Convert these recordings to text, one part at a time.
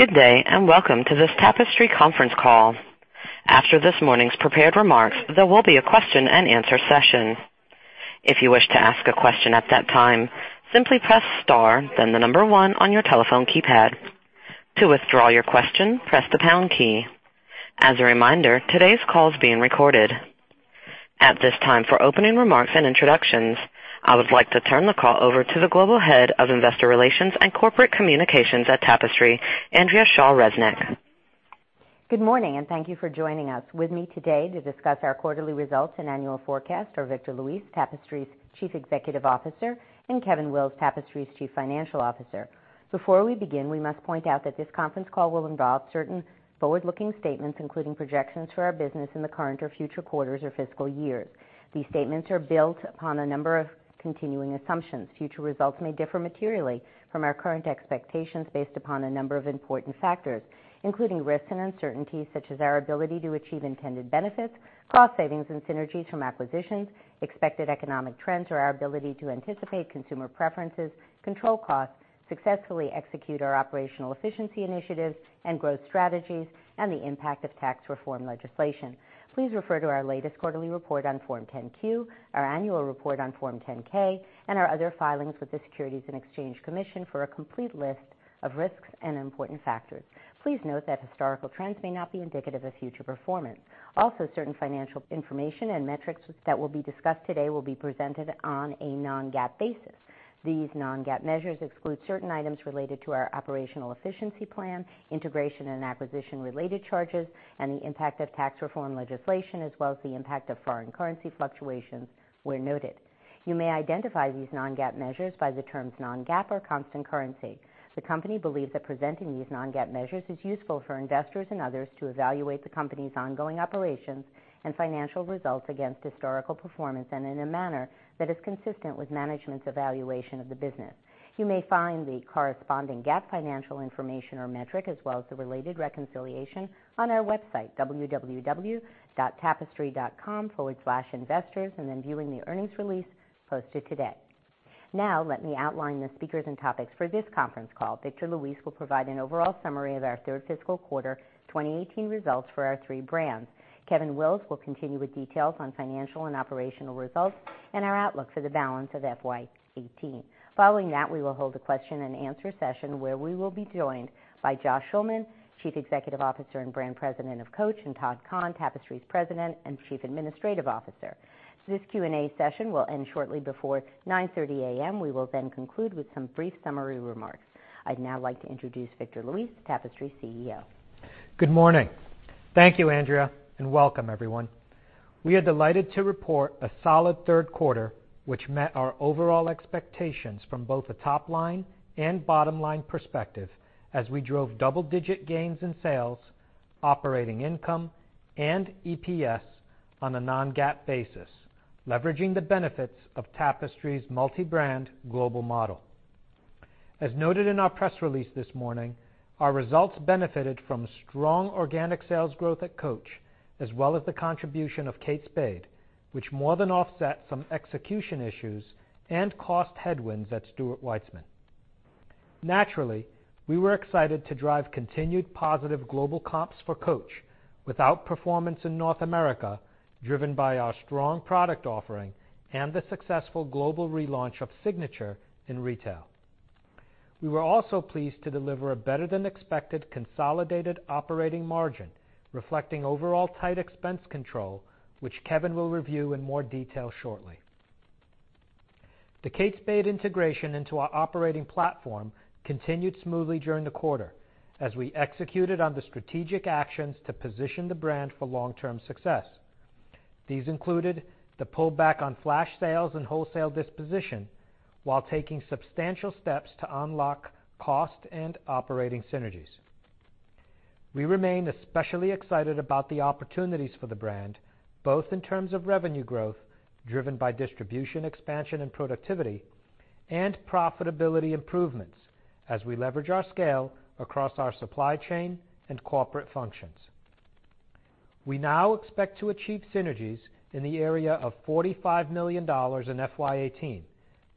Good day, and welcome to this Tapestry conference call. After this morning's prepared remarks, there will be a question and answer session. If you wish to ask a question at that time, simply press star, then the number one on your telephone keypad. To withdraw your question, press the pound key. As a reminder, today's call is being recorded. At this time, for opening remarks and introductions, I would like to turn the call over to the Global Head of Investor Relations and Corporate Communications at Tapestry, Andrea Shaw Resnick. Good morning. Thank you for joining us. With me today to discuss our quarterly results and annual forecast are Victor Luis, Tapestry's Chief Executive Officer, and Kevin Wills, Tapestry's Chief Financial Officer. Before we begin, we must point out that this conference call will involve certain forward-looking statements, including projections for our business in the current or future quarters or fiscal years. These statements are built upon a number of continuing assumptions. Future results may differ materially from our current expectations based upon a number of important factors, including risks and uncertainties, such as our ability to achieve intended benefits, cost savings and synergies from acquisitions, expected economic trends, or our ability to anticipate consumer preferences, control costs, successfully execute our operational efficiency initiatives and growth strategies, and the impact of tax reform legislation. Please refer to our latest quarterly report on Form 10-Q, our annual report on Form 10-K, and our other filings with the Securities and Exchange Commission for a complete list of risks and important factors. Please note that historical trends may not be indicative of future performance. Certain financial information and metrics that will be discussed today will be presented on a non-GAAP basis. These non-GAAP measures exclude certain items related to our operational efficiency plan, integration and acquisition-related charges, and the impact of tax reform legislation, as well as the impact of foreign currency fluctuations, where noted. You may identify these non-GAAP measures by the terms non-GAAP or constant currency. The company believes that presenting these non-GAAP measures is useful for investors and others to evaluate the company's ongoing operations and financial results against historical performance and in a manner that is consistent with management's evaluation of the business. You may find the corresponding GAAP financial information or metric, as well as the related reconciliation, on our website, www.tapestry.com/investors, and then viewing the earnings release posted today. Let me outline the speakers and topics for this conference call. Victor Luis will provide an overall summary of our third fiscal quarter 2018 results for our three brands. Kevin Wills will continue with details on financial and operational results and our outlook for the balance of FY 2018. Following that, we will hold a question and answer session where we will be joined by Josh Schulman, Chief Executive Officer and Brand President of Coach, and Todd Kahn, Tapestry's President and Chief Administrative Officer. This Q&A session will end shortly before 9:30 A.M. We will conclude with some brief summary remarks. I'd now like to introduce Victor Luis, Tapestry's CEO. Good morning. Thank you, Andrea, welcome everyone. We are delighted to report a solid third quarter, which met our overall expectations from both a top-line and bottom-line perspective as we drove double-digit gains in sales, operating income, and EPS on a non-GAAP basis, leveraging the benefits of Tapestry's multi-brand global model. As noted in our press release this morning, our results benefited from strong organic sales growth at Coach, as well as the contribution of Kate Spade, which more than offset some execution issues and cost headwinds at Stuart Weitzman. Naturally, we were excited to drive continued positive global comps for Coach without performance in North America, driven by our strong product offering and the successful global relaunch of Signature in retail. We were also pleased to deliver a better-than-expected consolidated operating margin reflecting overall tight expense control, which Kevin will review in more detail shortly. The Kate Spade integration into our operating platform continued smoothly during the quarter as we executed on the strategic actions to position the brand for long-term success. These included the pullback on flash sales and wholesale disposition while taking substantial steps to unlock cost and operating synergies. We remain especially excited about the opportunities for the brand, both in terms of revenue growth, driven by distribution expansion and productivity, and profitability improvements as we leverage our scale across our supply chain and corporate functions. We now expect to achieve synergies in the area of $45 million in FY 2018,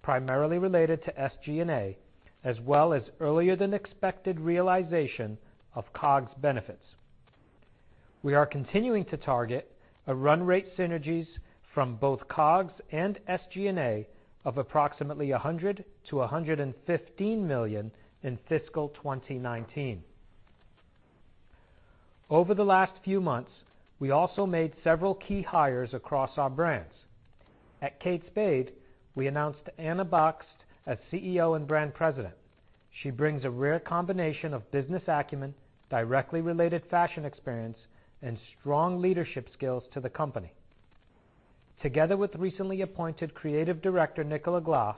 primarily related to SG&A, as well as earlier-than-expected realization of COGS benefits. We are continuing to target a run rate synergies from both COGS and SG&A of approximately $100 million-$115 million in fiscal 2019. Over the last few months, we also made several key hires across our brands. At Kate Spade, we announced Anna Bakst as CEO and Brand President. She brings a rare combination of business acumen, directly related fashion experience, and strong leadership skills to the company. Together with recently appointed Creative Director Nicola Glass,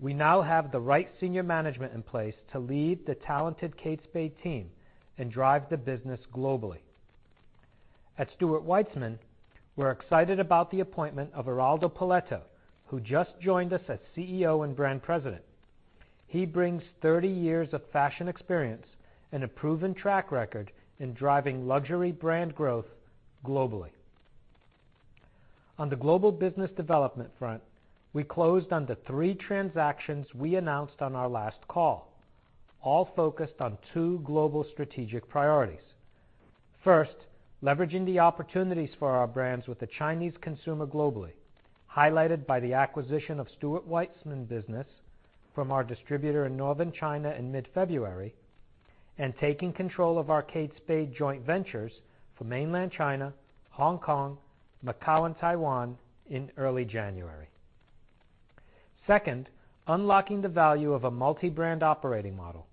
we now have the right senior management in place to lead the talented Kate Spade team and drive the business globally. At Stuart Weitzman, we're excited about the appointment of Eraldo Poletto, who just joined us as CEO and Brand President. He brings 30 years of fashion experience and a proven track record in driving luxury brand growth globally. On the global business development front, we closed on the three transactions we announced on our last call, all focused on two global strategic priorities. First, leveraging the opportunities for our brands with the Chinese consumer globally, highlighted by the acquisition of Stuart Weitzman business from our distributor in Northern China in mid-February, and taking control of our Kate Spade joint ventures for mainland China, Hong Kong, Macau, and Taiwan in early January. Second, unlocking the value of a multi-brand operating model.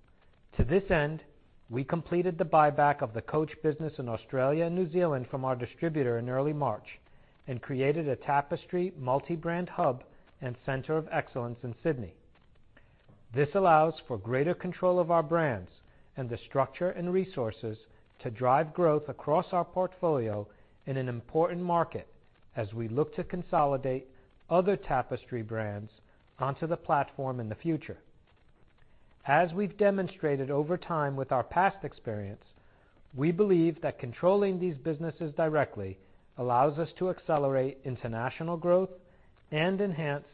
To this end, we completed the buyback of the Coach business in Australia and New Zealand from our distributor in early March and created a Tapestry multi-brand hub and center of excellence in Sydney. This allows for greater control of our brands and the structure and resources to drive growth across our portfolio in an important market as we look to consolidate other Tapestry brands onto the platform in the future. As we've demonstrated over time with our past experience, we believe that controlling these businesses directly allows us to accelerate international growth and enhance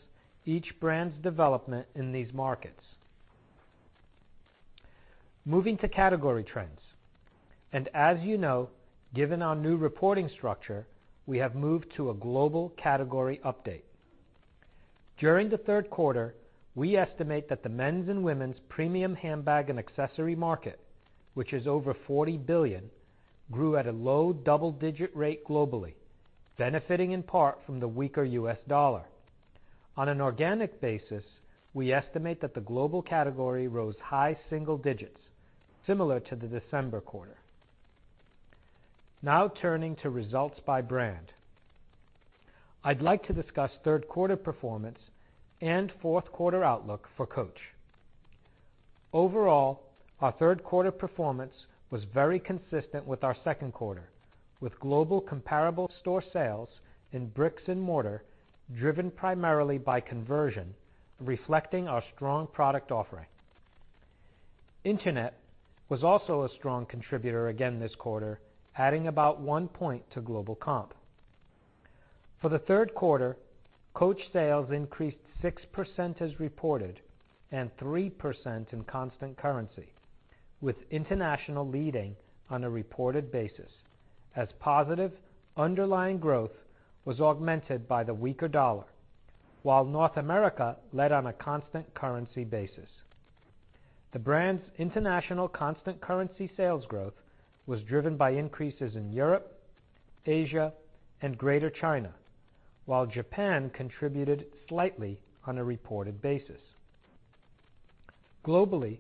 each brand's development in these markets. Moving to category trends, as you know, given our new reporting structure, we have moved to a global category update. During the third quarter, we estimate that the men's and women's premium handbag and accessory market, which is over $40 billion, grew at a low double-digit rate globally, benefiting in part from the weaker U.S. dollar. On an organic basis, we estimate that the global category rose high single digits, similar to the December quarter. Now turning to results by brand. I'd like to discuss third quarter performance and fourth quarter outlook for Coach. Overall, our third quarter performance was very consistent with our second quarter, with global comparable store sales in bricks and mortar driven primarily by conversion, reflecting our strong product offering. Internet was also a strong contributor again this quarter, adding about one point to global comp. For the third quarter, Coach sales increased 6% as reported and 3% in constant currency, with international leading on a reported basis as positive underlying growth was augmented by the weaker U.S. dollar, while North America led on a constant currency basis. The brand's international constant currency sales growth was driven by increases in Europe, Asia, and Greater China, while Japan contributed slightly on a reported basis. Globally,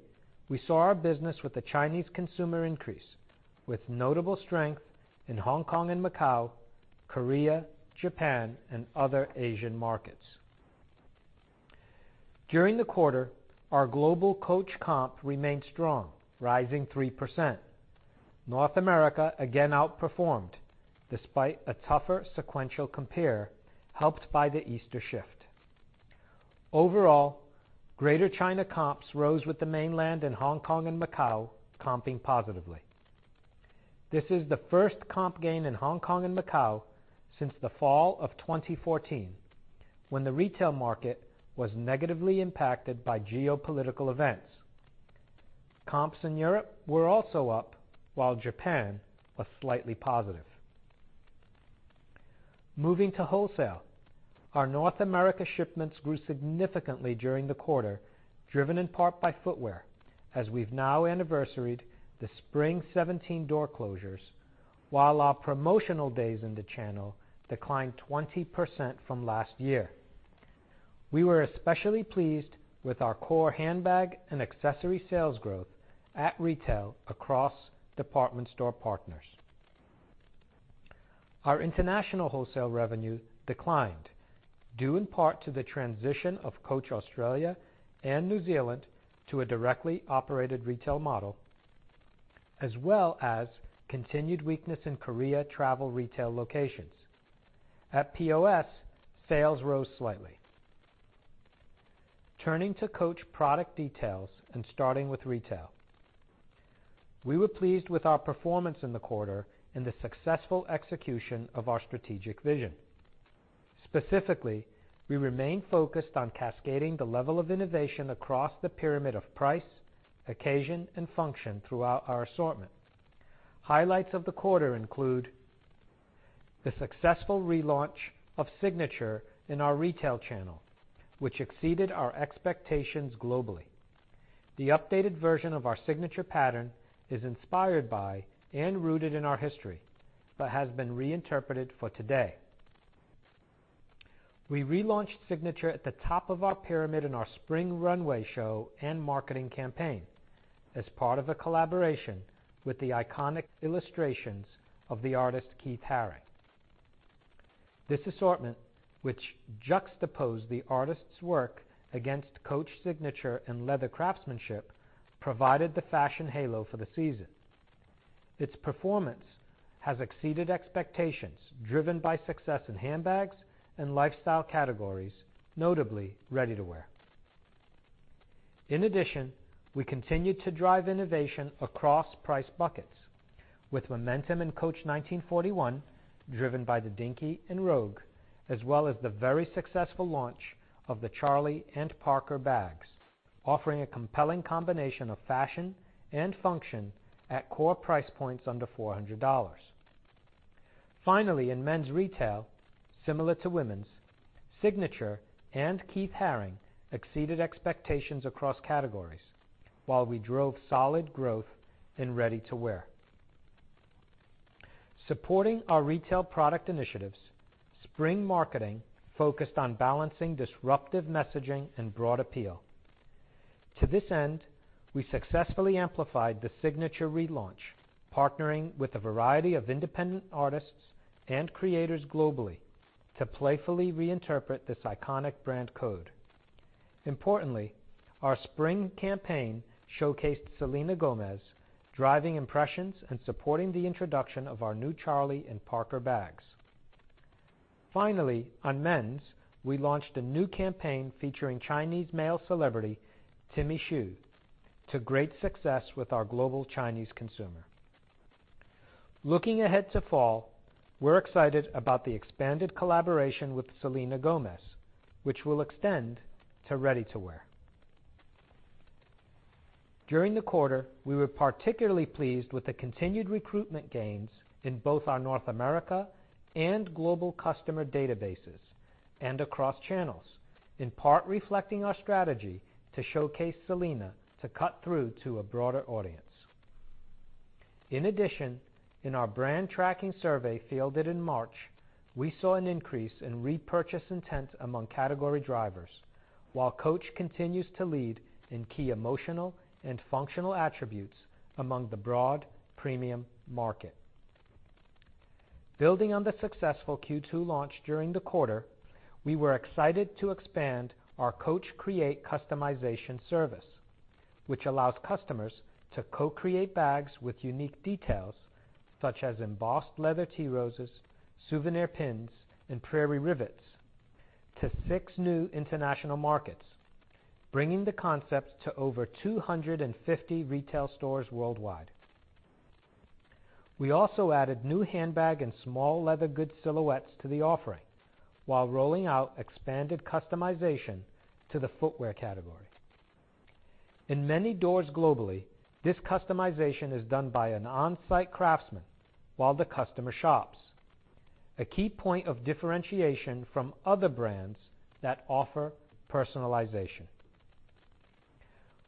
we saw our business with the Chinese consumer increase, with notable strength in Hong Kong and Macau, Korea, Japan, and other Asian markets. During the quarter, our global Coach comp remained strong, rising 3%. North America again outperformed despite a tougher sequential compare helped by the Easter shift. Overall, Greater China comps rose with the mainland and Hong Kong and Macau comping positively. This is the first comp gain in Hong Kong and Macau since the fall of 2014, when the retail market was negatively impacted by geopolitical events. Comps in Europe were also up, while Japan was slightly positive. Moving to wholesale. Our North America shipments grew significantly during the quarter, driven in part by footwear, as we've now anniversaried the spring 2017 door closures while our promotional days in the channel declined 20% from last year. We were especially pleased with our core handbag and accessory sales growth at retail across department store partners. Our international wholesale revenue declined due in part to the transition of Coach Australia and New Zealand to a directly operated retail model, as well as continued weakness in Korea travel retail locations. At POS, sales rose slightly. Turning to Coach product details and starting with retail. We were pleased with our performance in the quarter and the successful execution of our strategic vision. Specifically, we remain focused on cascading the level of innovation across the pyramid of price, occasion, and function throughout our assortment. Highlights of the quarter include the successful relaunch of Signature in our retail channel, which exceeded our expectations globally. The updated version of our Signature pattern is inspired by and rooted in our history but has been reinterpreted for today. We relaunched Signature at the top of our pyramid in our spring runway show and marketing campaign as part of a collaboration with the iconic illustrations of the artist Keith Haring. This assortment, which juxtaposed the artist's work against Coach Signature and leather craftsmanship, provided the fashion halo for the season. Its performance has exceeded expectations, driven by success in handbags and lifestyle categories, notably ready-to-wear. In addition, we continued to drive innovation across price buckets with momentum in Coach 1941, driven by the Dinky and Rogue, as well as the very successful launch of the Charlie and Parker bags, offering a compelling combination of fashion and function at core price points under $400. Finally, in men's retail, similar to women's, Signature and Keith Haring exceeded expectations across categories, while we drove solid growth in ready-to-wear. Supporting our retail product initiatives, spring marketing focused on balancing disruptive messaging and broad appeal. To this end, we successfully amplified the Signature relaunch, partnering with a variety of independent artists and creators globally to playfully reinterpret this iconic brand code. Importantly, our spring campaign showcased Selena Gomez, driving impressions and supporting the introduction of our new Charlie and Parker bags. Finally, on men's, we launched a new campaign featuring Chinese male celebrity Timmy Xu to great success with our global Chinese consumer. Looking ahead to fall, we're excited about the expanded collaboration with Selena Gomez, which will extend to ready-to-wear. During the quarter, we were particularly pleased with the continued recruitment gains in both our North America and global customer databases and across channels, in part reflecting our strategy to showcase Selena to cut through to a broader audience. In addition, in our brand tracking survey fielded in March, we saw an increase in repurchase intent among category drivers, while Coach continues to lead in key emotional and functional attributes among the broad premium market. Building on the successful Q2 launch during the quarter, we were excited to expand our Coach Create customization service, which allows customers to co-create bags with unique details such as embossed leather T roses, souvenir pins, and prairie rivets to six new international markets, bringing the concept to over 250 retail stores worldwide. We also added new handbag and small leather goods silhouettes to the offering while rolling out expanded customization to the footwear category. In many doors globally, this customization is done by an on-site craftsman while the customer shops, a key point of differentiation from other brands that offer personalization.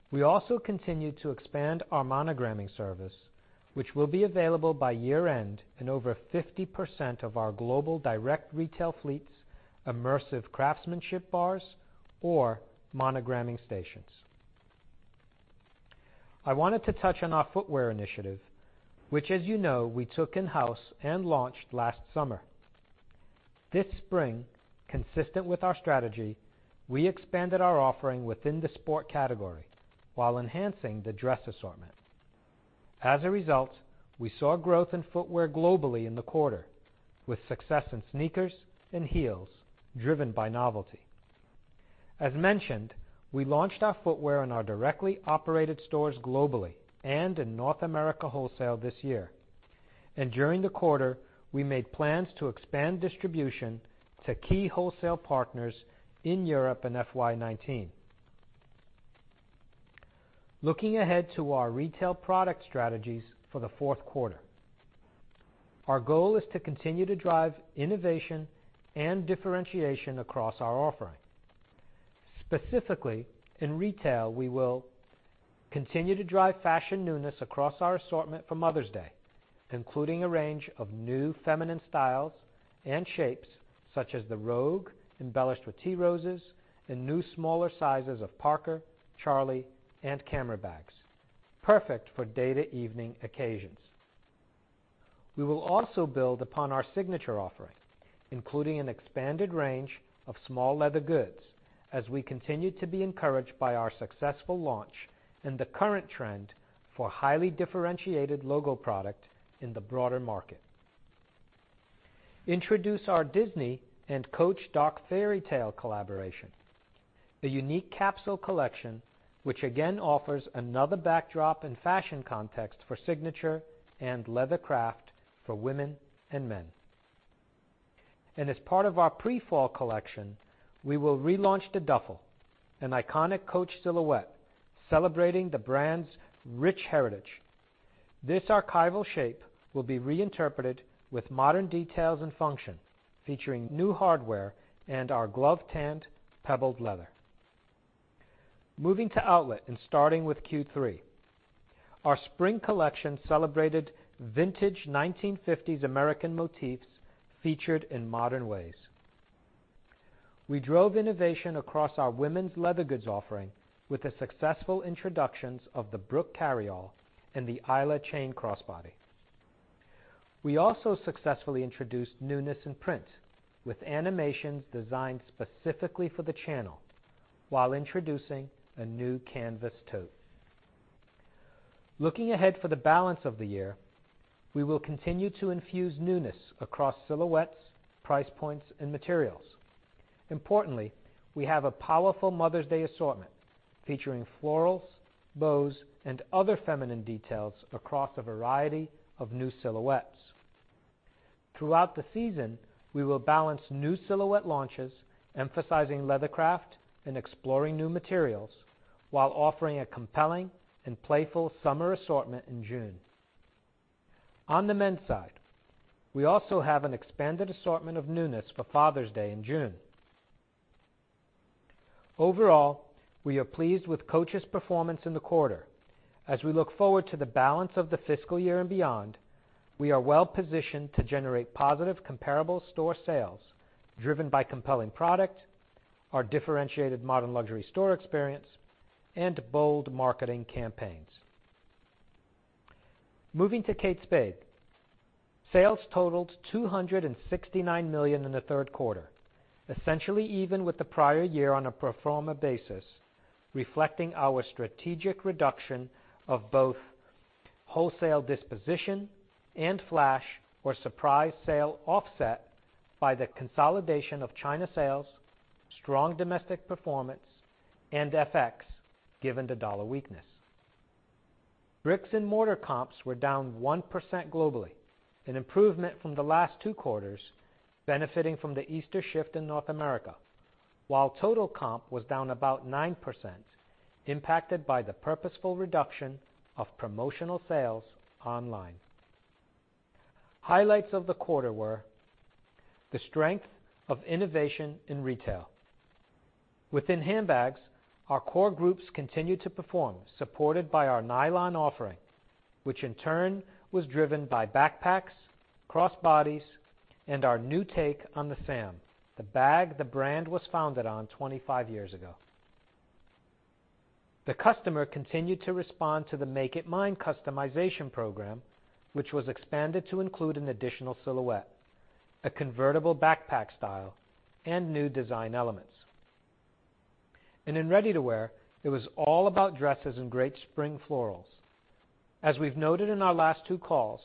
We also continued to expand our monogramming service, which will be available by year-end in over 50% of our global direct retail fleet's immersive craftsmanship bars or monogramming stations. I wanted to touch on our footwear initiative, which as you know, we took in-house and launched last summer. This spring, consistent with our strategy, we expanded our offering within the sport category while enhancing the dress assortment. As a result, we saw growth in footwear globally in the quarter, with success in sneakers and heels driven by novelty. As mentioned, we launched our footwear in our directly operated stores globally and in North America wholesale this year. During the quarter, we made plans to expand distribution to key wholesale partners in Europe in FY 2019. Looking ahead to our retail product strategies for the fourth quarter, our goal is to continue to drive innovation and differentiation across our offering. Specifically, in retail, we will continue to drive fashion newness across our assortment for Mother's Day, including a range of new feminine styles and shapes such as the Rogue embellished with T roses and new smaller sizes of Parker, Charlie, and camera bags, perfect for day-to-evening occasions. We will also build upon our Signature offering, including an expanded range of small leather goods as we continue to be encouraged by our successful launch and the current trend for highly differentiated logo product in the broader market. Introduce our Disney and Coach Dark Fairy Tale collaboration, a unique capsule collection, which again offers another backdrop and fashion context for Signature and leather craft for women and men. As part of our pre-fall collection, we will relaunch the Duffle, an iconic Coach silhouette celebrating the brand's rich heritage. This archival shape will be reinterpreted with modern details and function, featuring new hardware and our glove-tanned pebbled leather. Moving to outlet and starting with Q3, our spring collection celebrated vintage 1950s American motifs featured in modern ways. We drove innovation across our women's leather goods offering with the successful introductions of the Brooke carryall and the Isla chain crossbody. We also successfully introduced newness in prints with animations designed specifically for the channel while introducing a new canvas tote. Looking ahead for the balance of the year, we will continue to infuse newness across silhouettes, price points, and materials. Importantly, we have a powerful Mother's Day assortment featuring florals, bows, and other feminine details across a variety of new silhouettes. Throughout the season, we will balance new silhouette launches, emphasizing leathercraft and exploring new materials, while offering a compelling and playful summer assortment in June. On the men's side, we also have an expanded assortment of newness for Father's Day in June. Overall, we are pleased with Coach's performance in the quarter. As we look forward to the balance of the fiscal year and beyond, we are well-positioned to generate positive comparable store sales driven by compelling product, our differentiated modern luxury store experience, and bold marketing campaigns. Moving to Kate Spade. Sales totaled $269 million in the third quarter, essentially even with the prior year on a pro forma basis, reflecting our strategic reduction of both wholesale disposition and flash or surprise sale offset by the consolidation of China sales, strong domestic performance, and FX, given the dollar weakness. Bricks and mortar comps were down 1% globally, an improvement from the last two quarters, benefiting from the Easter shift in North America. While total comp was down about 9%, impacted by the purposeful reduction of promotional sales online. Highlights of the quarter were the strength of innovation in retail. Within handbags, our core groups continued to perform, supported by our nylon offering, which in turn was driven by backpacks, crossbodies, and our new take on the Sam, the bag the brand was founded on 25 years ago. The customer continued to respond to the Make It Mine customization program, which was expanded to include an additional silhouette, a convertible backpack style, and new design elements. In ready-to-wear, it was all about dresses and great spring florals. As we've noted in our last two calls,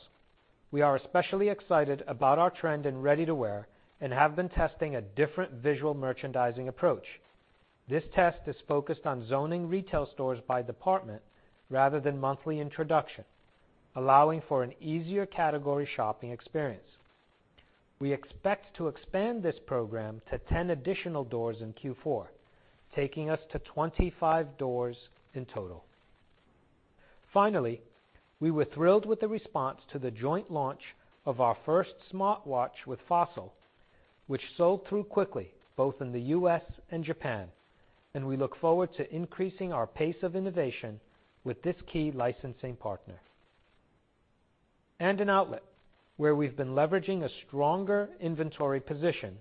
we are especially excited about our trend in ready-to-wear and have been testing a different visual merchandising approach. This test is focused on zoning retail stores by department rather than monthly introduction, allowing for an easier category shopping experience. We expect to expand this program to 10 additional doors in Q4, taking us to 25 doors in total. Finally, we were thrilled with the response to the joint launch of our first smartwatch with Fossil, which sold through quickly, both in the U.S. and Japan. We look forward to increasing our pace of innovation with this key licensing partner. In outlet, where we've been leveraging a stronger inventory position,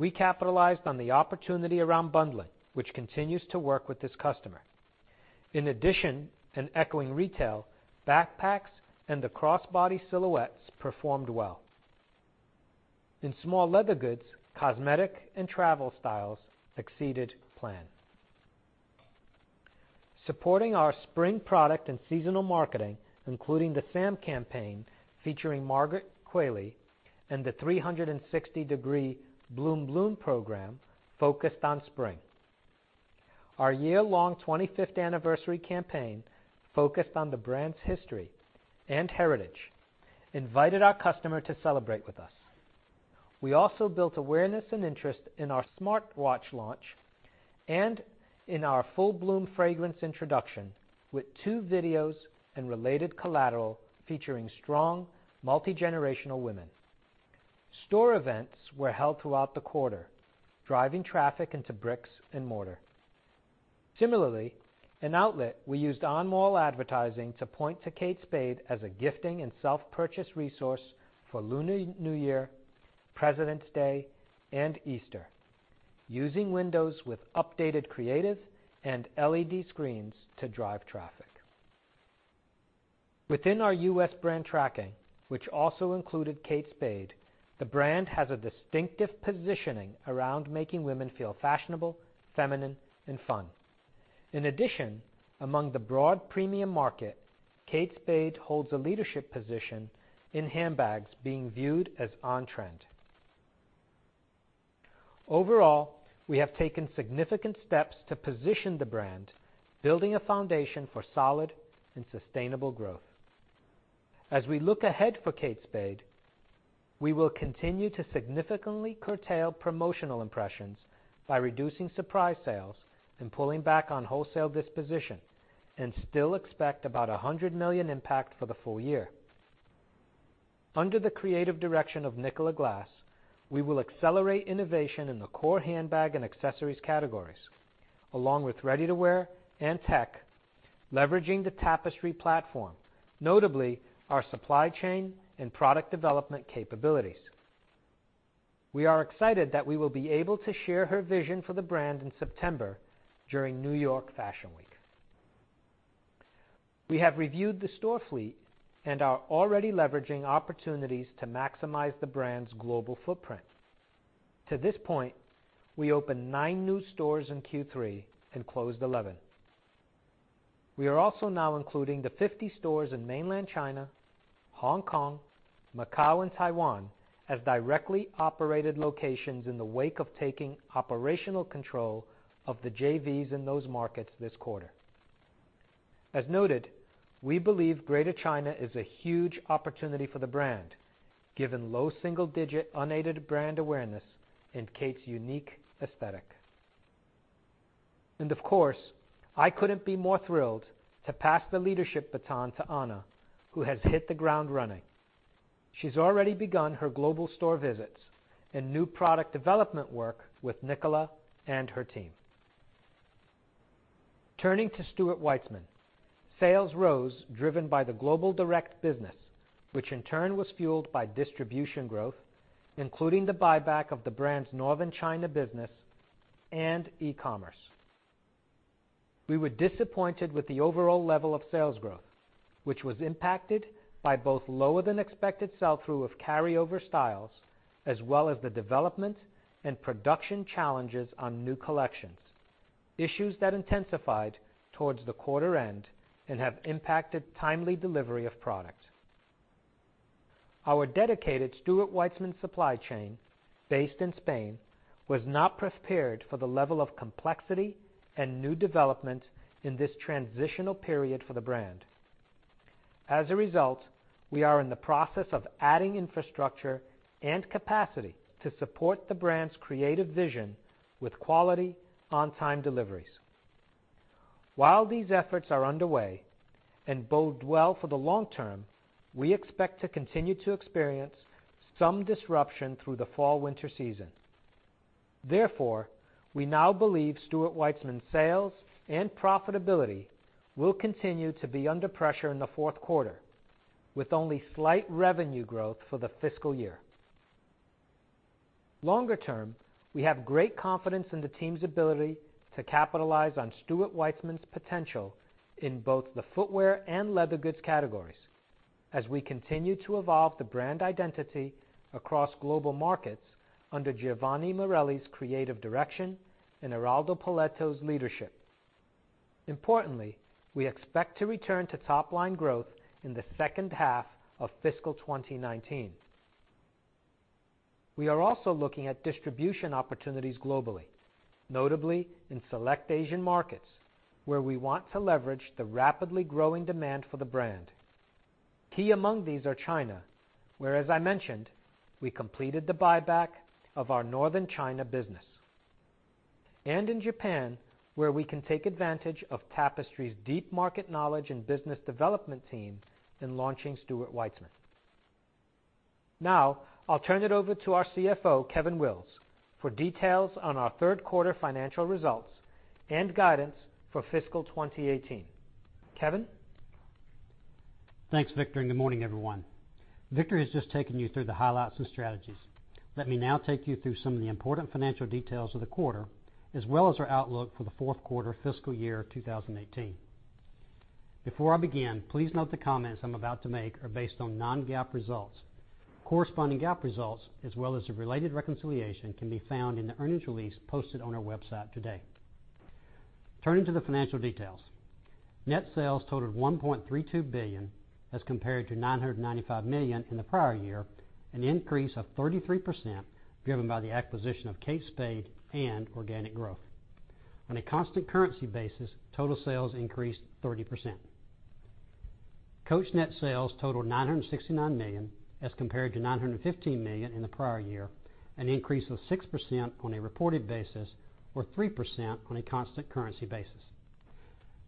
we capitalized on the opportunity around bundling, which continues to work with this customer. In addition, echoing retail, backpacks and the crossbody silhouettes performed well. In small leather goods, cosmetic, and travel styles exceeded plan. Supporting our spring product and seasonal marketing, including the Sam campaign featuring Margaret Qualley and the 360-degree Bloom Bloom program focused on spring. Our year-long 25th anniversary campaign focused on the brand's history and heritage invited our customer to celebrate with us. We also built awareness and interest in our smartwatch launch and in our Full Bloom fragrance introduction with two videos and related collateral featuring strong multi-generational women. Store events were held throughout the quarter, driving traffic into bricks and mortar. Similarly, in outlet, we used on-mall advertising to point to Kate Spade as a gifting and self-purchase resource for Lunar New Year, President's Day, and Easter, using windows with updated creative and LED screens to drive traffic. Within our U.S. brand tracking, which also included Kate Spade, the brand has a distinctive positioning around making women feel fashionable, feminine, and fun. Among the broad premium market, Kate Spade holds a leadership position in handbags being viewed as on-trend. Overall, we have taken significant steps to position the brand, building a foundation for solid and sustainable growth. As we look ahead for Kate Spade, we will continue to significantly curtail promotional impressions by reducing surprise sales and pulling back on wholesale disposition and still expect about $100 million impact for the full year. Under the creative direction of Nicola Glass, we will accelerate innovation in the core handbag and accessories categories, along with ready-to-wear and tech, leveraging the Tapestry platform, notably our supply chain and product development capabilities. We are excited that we will be able to share her vision for the brand in September during New York Fashion Week. We have reviewed the store fleet and are already leveraging opportunities to maximize the brand's global footprint. To this point, we opened nine new stores in Q3 and closed 11. We are also now including the 50 stores in mainland China, Hong Kong, Macau, and Taiwan as directly operated locations in the wake of taking operational control of the JVs in those markets this quarter. As noted, we believe Greater China is a huge opportunity for the brand, given low single-digit unaided brand awareness and Kate's unique aesthetic. Of course, I couldn't be more thrilled to pass the leadership baton to Anna, who has hit the ground running. She's already begun her global store visits and new product development work with Nicola and her team. Turning to Stuart Weitzman. Sales rose, driven by the global direct business, which in turn was fueled by distribution growth, including the buyback of the brand's Northern China business and e-commerce. We were disappointed with the overall level of sales growth, which was impacted by both lower-than-expected sell-through of carryover styles, as well as the development and production challenges on new collections, issues that intensified towards the quarter end and have impacted timely delivery of product. Our dedicated Stuart Weitzman supply chain, based in Spain, was not prepared for the level of complexity and new development in this transitional period for the brand. As a result, we are in the process of adding infrastructure and capacity to support the brand's creative vision with quality on-time deliveries. While these efforts are underway and bode well for the long term, we expect to continue to experience some disruption through the fall/winter season. Therefore, we now believe Stuart Weitzman sales and profitability will continue to be under pressure in the fourth quarter, with only slight revenue growth for the fiscal year. Longer term, we have great confidence in the team's ability to capitalize on Stuart Weitzman's potential in both the footwear and leather goods categories as we continue to evolve the brand identity across global markets under Giovanni Morelli's creative direction and Eraldo Poletto's leadership. Importantly, we expect to return to top-line growth in the second half of fiscal 2019. We are also looking at distribution opportunities globally, notably in select Asian markets, where we want to leverage the rapidly growing demand for the brand. Key among these are China, where, as I mentioned, we completed the buyback of our Northern China business, and in Japan, where we can take advantage of Tapestry's deep market knowledge and business development teams in launching Stuart Weitzman. Now, I'll turn it over to our CFO, Kevin Wills, for details on our third quarter financial results and guidance for fiscal 2018. Kevin? Thanks, Victor, and good morning, everyone. Victor has just taken you through the highlights and strategies. Let me now take you through some of the important financial details of the quarter, as well as our outlook for the fourth quarter fiscal year 2018. Before I begin, please note the comments I'm about to make are based on non-GAAP results. Corresponding GAAP results, as well as the related reconciliation, can be found in the earnings release posted on our website today. Turning to the financial details. Net sales totaled $1.32 billion, as compared to $995 million in the prior year, an increase of 33% driven by the acquisition of Kate Spade and organic growth. On a constant currency basis, total sales increased 30%. Coach net sales totaled $969 million, as compared to $915 million in the prior year, an increase of 6% on a reported basis or 3% on a constant currency basis.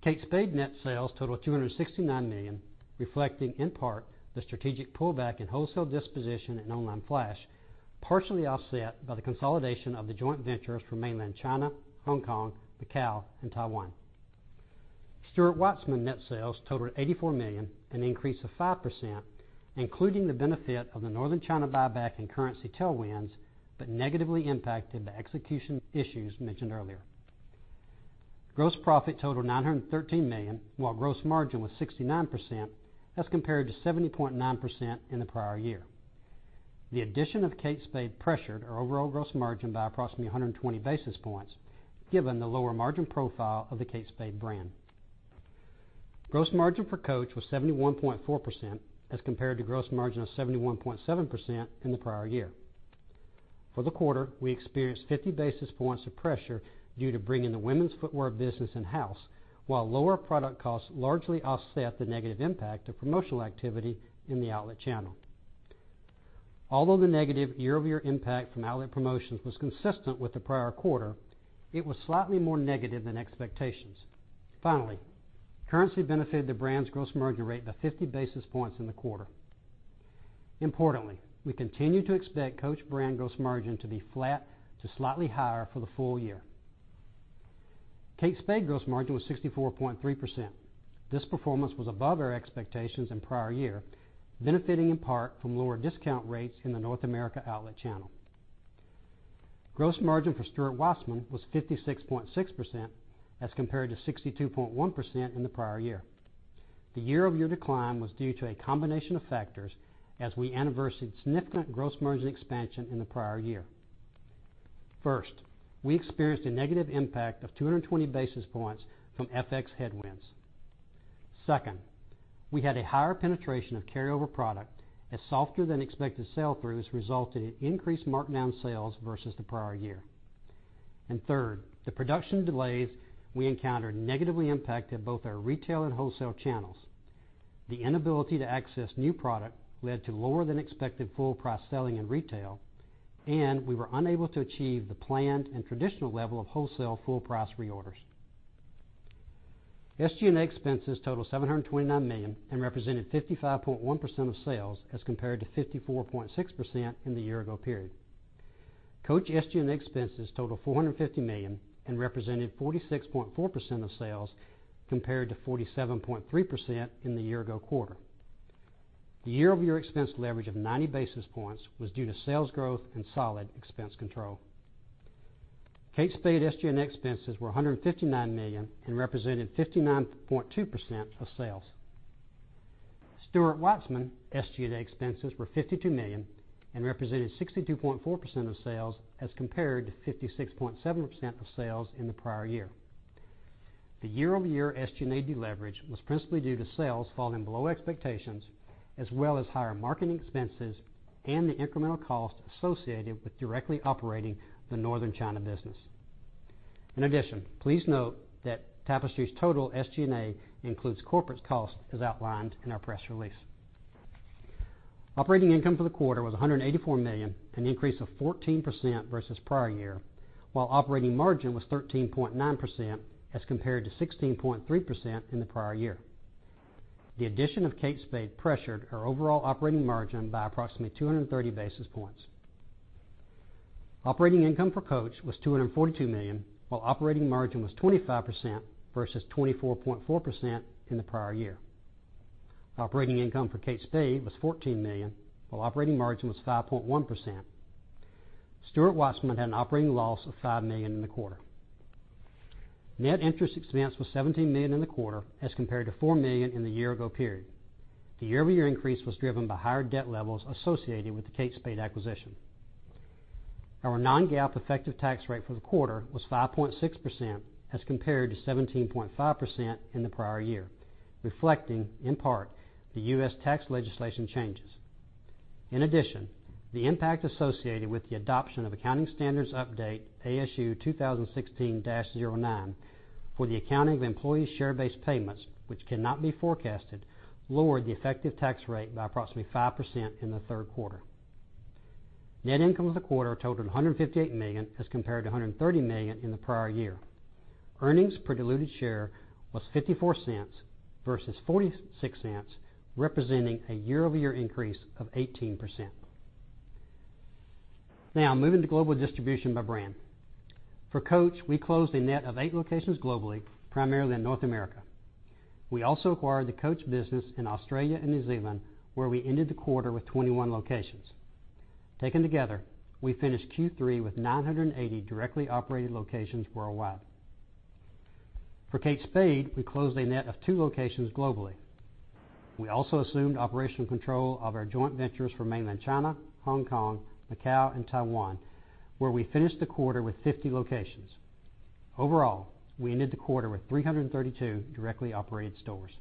Kate Spade net sales totaled $269 million, reflecting in part the strategic pullback in wholesale disposition and online flash, partially offset by the consolidation of the joint ventures from mainland China, Hong Kong, Macau, and Taiwan. Stuart Weitzman net sales totaled $84 million, an increase of 5%, including the benefit of the Northern China buyback and currency tailwinds, but negatively impacted by execution issues mentioned earlier. Gross profit totaled $913 million, while gross margin was 69%, as compared to 70.9% in the prior year. The addition of Kate Spade pressured our overall gross margin by approximately 120 basis points, given the lower margin profile of the Kate Spade brand. Gross margin for Coach was 71.4%, as compared to gross margin of 71.7% in the prior year. For the quarter, we experienced 50 basis points of pressure due to bringing the women's footwear business in-house, while lower product costs largely offset the negative impact of promotional activity in the outlet channel. Although the negative year-over-year impact from outlet promotions was consistent with the prior quarter, it was slightly more negative than expectations. Finally, currency benefited the brand's gross margin rate by 50 basis points in the quarter. Importantly, we continue to expect Coach brand gross margin to be flat to slightly higher for the full year. Kate Spade gross margin was 64.3%. This performance was above our expectations in prior year, benefiting in part from lower discount rates in the North America outlet channel. Gross margin for Stuart Weitzman was 56.6%, as compared to 62.1% in the prior year. The year-over-year decline was due to a combination of factors as we anniversaried significant gross margin expansion in the prior year. First, we experienced a negative impact of 220 basis points from FX headwinds. Second, we had a higher penetration of carryover product as softer than expected sell-throughs resulted in increased markdown sales versus the prior year. Third, the production delays we encountered negatively impacted both our retail and wholesale channels. The inability to access new product led to lower than expected full price selling in retail, and we were unable to achieve the planned and traditional level of wholesale full price reorders. SG&A expenses totaled $729 million and represented 55.1% of sales as compared to 54.6% in the year ago period. Coach SG&A expenses totaled $450 million and represented 46.4% of sales, compared to 47.3% in the year ago quarter. The year-over-year expense leverage of 90 basis points was due to sales growth and solid expense control. Kate Spade SG&A expenses were $159 million and represented 59.2% of sales. Stuart Weitzman SG&A expenses were $52 million and represented 62.4% of sales as compared to 56.7% of sales in the prior year. The year-over-year SG&A deleverage was principally due to sales falling below expectations, as well as higher marketing expenses and the incremental cost associated with directly operating the Northern China business. In addition, please note that Tapestry's total SG&A includes corporate costs as outlined in our press release. Operating income for the quarter was $184 million, an increase of 14% versus prior year, while operating margin was 13.9% as compared to 16.3% in the prior year. The addition of Kate Spade pressured our overall operating margin by approximately 230 basis points. Operating income for Coach was $242 million, while operating margin was 25% versus 24.4% in the prior year. Operating income for Kate Spade was $14 million, while operating margin was 5.1%. Stuart Weitzman had an operating loss of $5 million in the quarter. Net interest expense was $17 million in the quarter as compared to $4 million in the year-ago period. The year-over-year increase was driven by higher debt levels associated with the Kate Spade acquisition. Our non-GAAP effective tax rate for the quarter was 5.6% as compared to 17.5% in the prior year, reflecting in part the U.S. tax legislation changes. The impact associated with the adoption of accounting standards update ASU 2016-09 for the accounting of employee share-based payments, which cannot be forecasted, lowered the effective tax rate by approximately 5% in the third quarter. Net income for the quarter totaled $158 million as compared to $130 million in the prior year. Earnings per diluted share was $0.54 versus $0.46, representing a year-over-year increase of 18%. Moving to global distribution by brand. For Coach, we closed a net of eight locations globally, primarily in North America. We also acquired the Coach business in Australia and New Zealand, where we ended the quarter with 21 locations. Taken together, we finished Q3 with 980 directly operated locations worldwide. For Kate Spade, we closed a net of two locations globally. We also assumed operational control of our joint ventures for Mainland China, Hong Kong, Macau, and Taiwan, where we finished the quarter with 50 locations. We ended the quarter with 332 directly operated stores.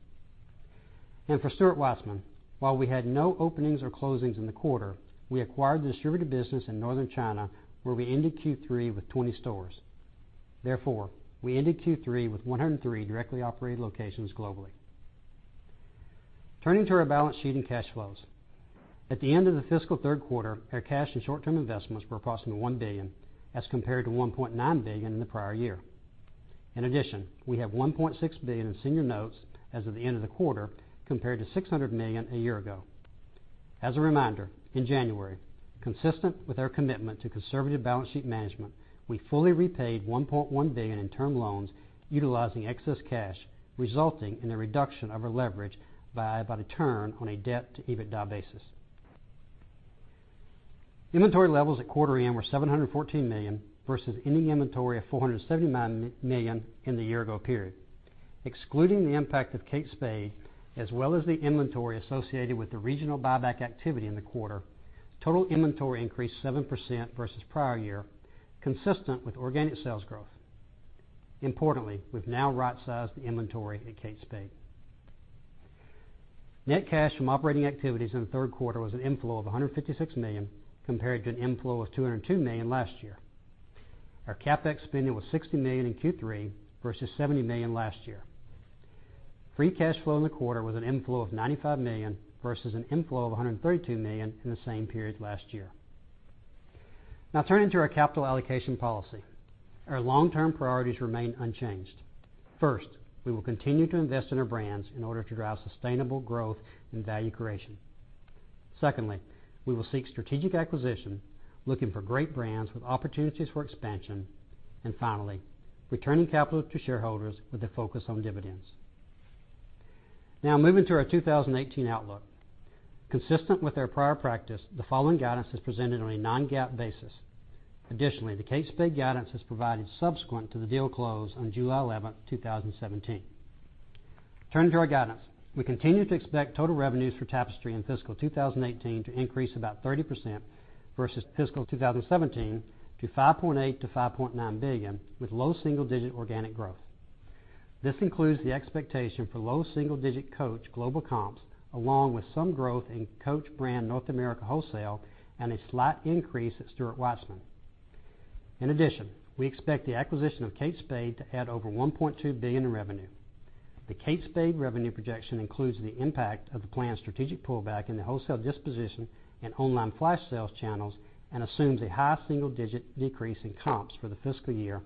For Stuart Weitzman, while we had no openings or closings in the quarter, we acquired the distributed business in Northern China, where we ended Q3 with 20 stores. We ended Q3 with 103 directly operated locations globally. Turning to our balance sheet and cash flows. At the end of the fiscal third quarter, our cash and short-term investments were approximately $1 billion, as compared to $1.9 billion in the prior year. We have $1.6 billion in senior notes as of the end of the quarter, compared to $600 million a year ago. As a reminder, in January, consistent with our commitment to conservative balance sheet management, we fully repaid $1.1 billion in term loans utilizing excess cash, resulting in the reduction of our leverage by about a turn on a debt-to-EBITDA basis. Inventory levels at quarter end were $714 million versus ending inventory of $479 million in the year-ago period. Excluding the impact of Kate Spade, as well as the inventory associated with the regional buyback activity in the quarter, total inventory increased 7% versus prior year, consistent with organic sales growth. We've now right-sized the inventory at Kate Spade. Net cash from operating activities in the third quarter was an inflow of $156 million, compared to an inflow of $202 million last year. Our CapEx spending was $60 million in Q3 versus $70 million last year. Free cash flow in the quarter was an inflow of $95 million versus an inflow of $132 million in the same period last year. Turning to our capital allocation policy. Our long-term priorities remain unchanged. First, we will continue to invest in our brands in order to drive sustainable growth and value creation. Secondly, we will seek strategic acquisition, looking for great brands with opportunities for expansion. Finally, returning capital to shareholders with a focus on dividends. Now moving to our 2018 outlook. Consistent with our prior practice, the following guidance is presented on a non-GAAP basis. Additionally, the Kate Spade guidance is provided subsequent to the deal close on July 11, 2017. Turning to our guidance, we continue to expect total revenues for Tapestry in FY 2018 to increase about 30% versus FY 2017 to $5.8 billion-$5.9 billion with low single-digit organic growth. This includes the expectation for low single-digit Coach global comps, along with some growth in Coach brand North America wholesale and a slight increase at Stuart Weitzman. In addition, we expect the acquisition of Kate Spade to add over $1.2 billion in revenue. The Kate Spade revenue projection includes the impact of the planned strategic pullback in the wholesale disposition and online flash sales channels and assumes a high single-digit decrease in comps for the fiscal year,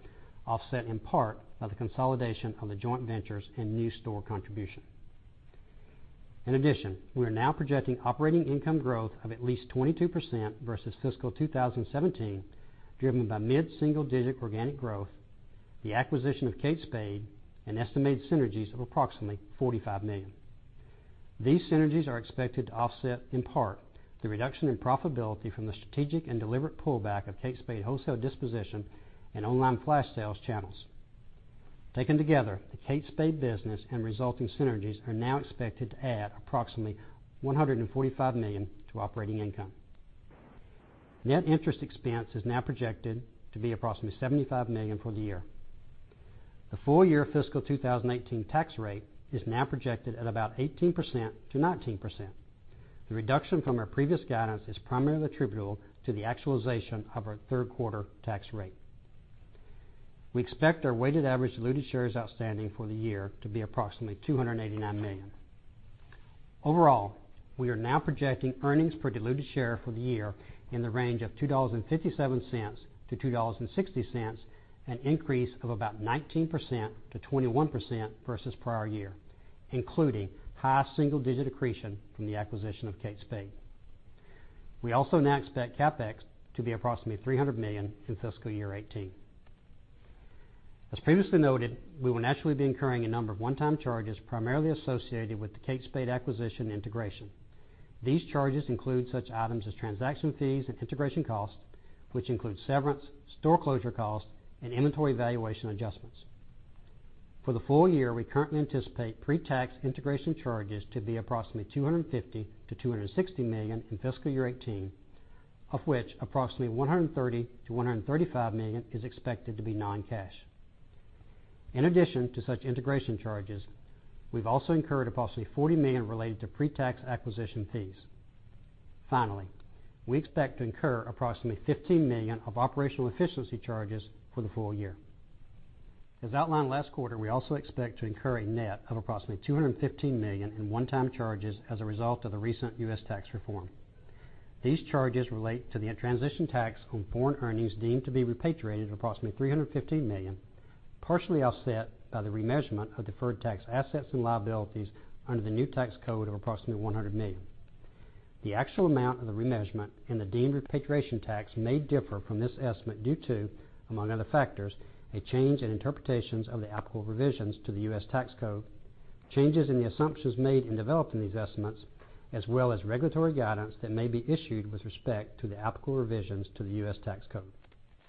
offset in part by the consolidation of the joint ventures and new store contribution. In addition, we are now projecting operating income growth of at least 22% versus FY 2017, driven by mid-single-digit organic growth, the acquisition of Kate Spade, and estimated synergies of approximately $45 million. These synergies are expected to offset, in part, the reduction in profitability from the strategic and deliberate pullback of Kate Spade wholesale disposition and online flash sales channels. Taken together, the Kate Spade business and resulting synergies are now expected to add approximately $145 million to operating income. Net interest expense is now projected to be approximately $75 million for the year. The full year FY 2018 tax rate is now projected at about 18%-19%. The reduction from our previous guidance is primarily attributable to the actualization of our third quarter tax rate. We expect our weighted average diluted shares outstanding for the year to be approximately 289 million. Overall, we are now projecting earnings per diluted share for the year in the range of $2.57-$2.60, an increase of about 19%-21% versus prior year, including high single-digit accretion from the acquisition of Kate Spade. We also now expect CapEx to be approximately $300 million in FY 2018. As previously noted, we will naturally be incurring a number of one-time charges, primarily associated with the Kate Spade acquisition integration. These charges include such items as transaction fees and integration costs, which include severance, store closure costs, and inventory valuation adjustments. For the full year, we currently anticipate pre-tax integration charges to be approximately $250 million-$260 million in FY 2018, of which approximately $130 million-$135 million is expected to be non-cash. In addition to such integration charges, we've also incurred approximately $40 million related to pre-tax acquisition fees. Finally, we expect to incur approximately $15 million of operational efficiency charges for the full year. As outlined last quarter, we also expect to incur a net of approximately $215 million in one-time charges as a result of the recent U.S. tax reform. These charges relate to the transition tax on foreign earnings deemed to be repatriated, approximately $315 million, partially offset by the remeasurement of deferred tax assets and liabilities under the new tax code of approximately $100 million. The actual amount of the remeasurement and the deemed repatriation tax may differ from this estimate due to, among other factors, a change in interpretations of the applicable revisions to the U.S. tax code, changes in the assumptions made in developing these estimates, as well as regulatory guidance that may be issued with respect to the applicable revisions to the U.S. tax code.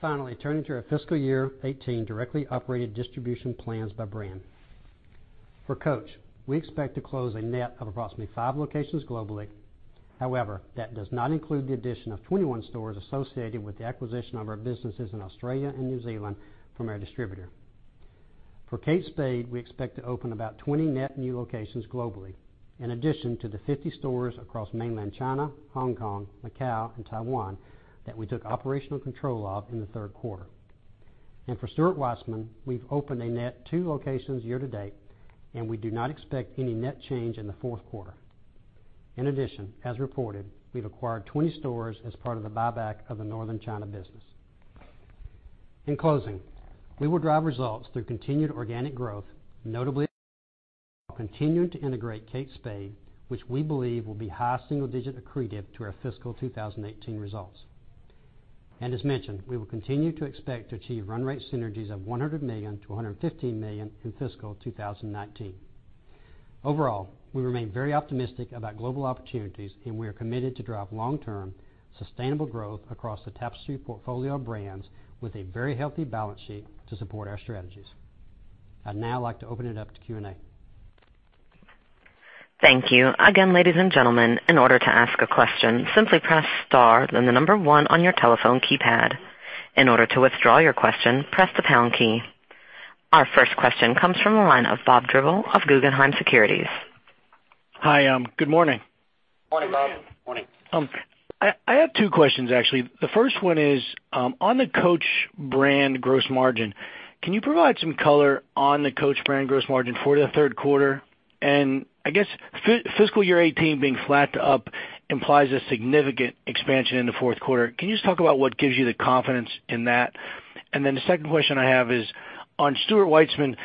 Finally, turning to our fiscal year 2018 directly operated distribution plans by brand. For Coach, we expect to close a net of approximately five locations globally. However, that does not include the addition of 21 stores associated with the acquisition of our businesses in Australia and New Zealand from our distributor. For Kate Spade, we expect to open about 20 net new locations globally, in addition to the 50 stores across mainland China, Hong Kong, Macau, and Taiwan that we took operational control of in the third quarter. For Stuart Weitzman, we have opened a net two locations year to date, and we do not expect any net change in the fourth quarter. In addition, as reported, we have acquired 20 stores as part of the buyback of the Northern China business. In closing, we will drive results through continued organic growth, notably while continuing to integrate Kate Spade, which we believe will be high single-digit accretive to our fiscal 2018 results. As mentioned, we will continue to expect to achieve run rate synergies of $100 million to $115 million in fiscal 2019. Overall, we remain very optimistic about global opportunities, and we are committed to drive long-term sustainable growth across the Tapestry portfolio of brands with a very healthy balance sheet to support our strategies. I would now like to open it up to Q&A. Thank you. Again, ladies and gentlemen, in order to ask a question, simply press star then the number one on your telephone keypad. In order to withdraw your question, press the pound key. Our first question comes from the line of Bob Drbul of Guggenheim Securities. Hi. Good morning. Good morning. Morning, Bob. Morning. I have two questions, actually. The first one is, on the Coach brand gross margin, can you provide some color on the Coach brand gross margin for the third quarter? I guess fiscal year 2018 being flat to up implies a significant expansion in the fourth quarter. Can you just talk about what gives you the confidence in that? The second question I have is on Stuart Weitzman,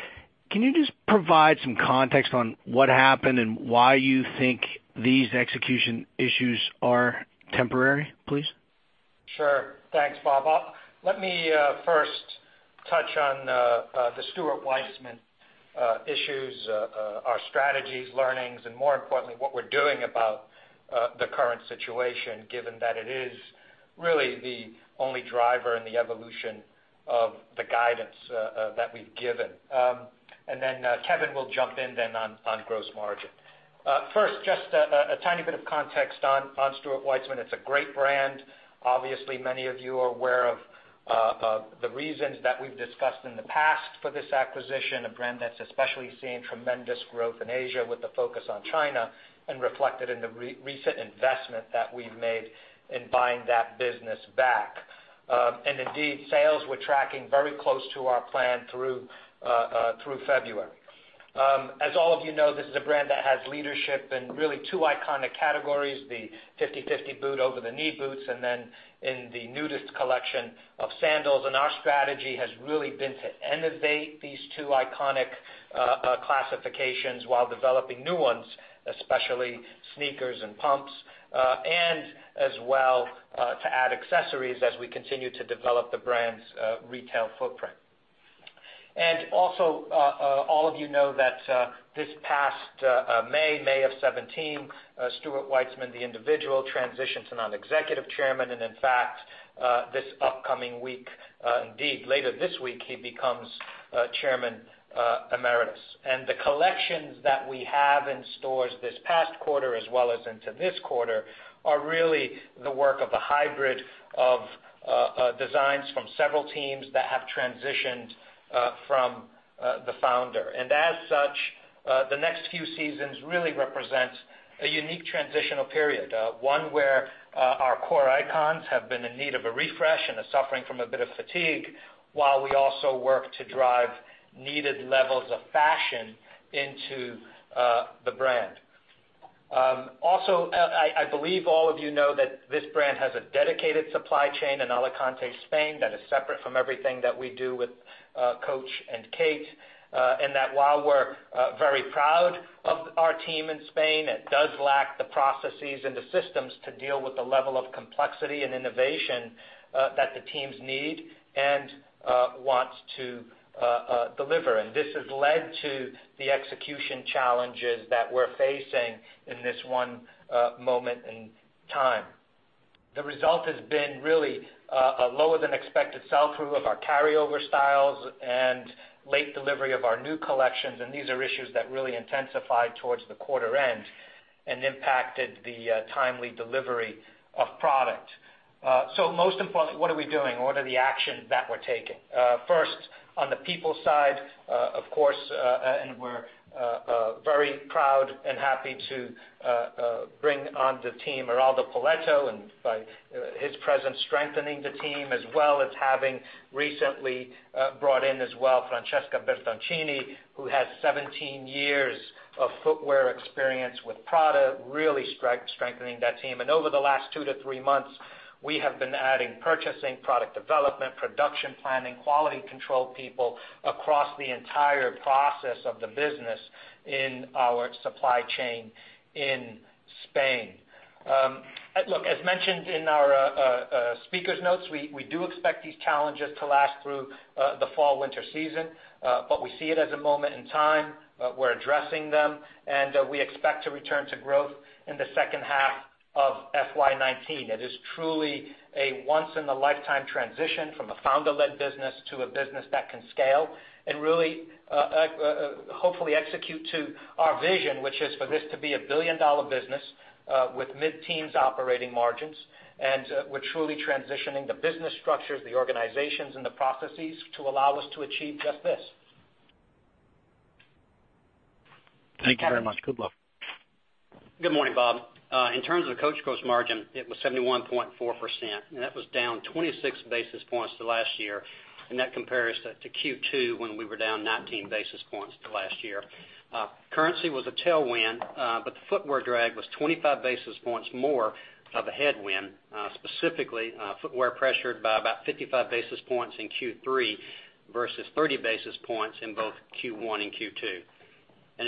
can you just provide some context on what happened and why you think these execution issues are temporary, please? Sure. Thanks, Bob. Let me first touch on the Stuart Weitzman issues, our strategies, learnings, and more importantly, what we're doing about the current situation, given that it is really the only driver in the evolution of the guidance that we've given. Kevin will jump in then on gross margin. First, just a tiny bit of context on Stuart Weitzman. It's a great brand. Obviously, many of you are aware of the reasons that we've discussed in the past for this acquisition. A brand that's especially seen tremendous growth in Asia with the focus on China, and reflected in the recent investment that we've made in buying that business back. Sales were tracking very close to our plan through February. As all of you know, this is a brand that has leadership in really 2 iconic categories, the 5050 boot over the knee boots, and then in the Nudist collection of sandals. Our strategy has really been to innovate these 2 iconic classifications while developing new ones, especially sneakers and pumps. To add accessories as we continue to develop the brand's retail footprint. Also, all of you know that this past May of 2017, Stuart Weitzman, the individual, transitioned to non-executive chairman. In fact, this upcoming week, indeed, later this week, he becomes chairman emeritus. The collections that we have in stores this past quarter as well as into this quarter, are really the work of a hybrid of designs from several teams that have transitioned from the founder. As such, the next few seasons really represent a unique transitional period. One where our core icons have been in need of a refresh and are suffering from a bit of fatigue while we also work to drive needed levels of fashion into the brand. Also, I believe all of you know that this brand has a dedicated supply chain in Alicante, Spain, that is separate from everything that we do with Coach and Kate. While we're very proud of our team in Spain, it does lack the processes and the systems to deal with the level of complexity and innovation that the teams need and want to deliver. This has led to the execution challenges that we're facing in this one moment in time. The result has been really a lower than expected sell-through of our carryover styles and late delivery of our new collections. These are issues that really intensified towards the quarter end and impacted the timely delivery of product. Most importantly, what are we doing? What are the actions that we're taking? First, on the people side, of course, and we're very proud and happy to bring on the team Eraldo Poletto and by his presence, strengthening the team as well as having recently brought in as well Francesca Bertoncini, who has 17 years of footwear experience with Prada, really strengthening that team. Over the last two to three months, we have been adding purchasing, product development, production planning, quality control people across the entire process of the business in our supply chain in Spain. Look, as mentioned in our speakers notes, we do expect these challenges to last through the fall/winter season. We see it as a moment in time, we're addressing them, and we expect to return to growth in the second half of FY 2019. It is truly a once-in-a-lifetime transition from a founder-led business to a business that can scale and really, hopefully execute to our vision, which is for this to be a billion-dollar business with mid-teens operating margins. We're truly transitioning the business structures, the organizations, and the processes to allow us to achieve just this. Thank you very much. Good luck. Good morning, Bob. In terms of Coach gross margin, it was 71.4%, and that was down 26 basis points to last year. That compares to Q2 when we were down 19 basis points to last year. Currency was a tailwind, but the footwear drag was 25 basis points more of a headwind. Specifically, footwear pressured by about 55 basis points in Q3 versus 30 basis points in both Q1 and Q2.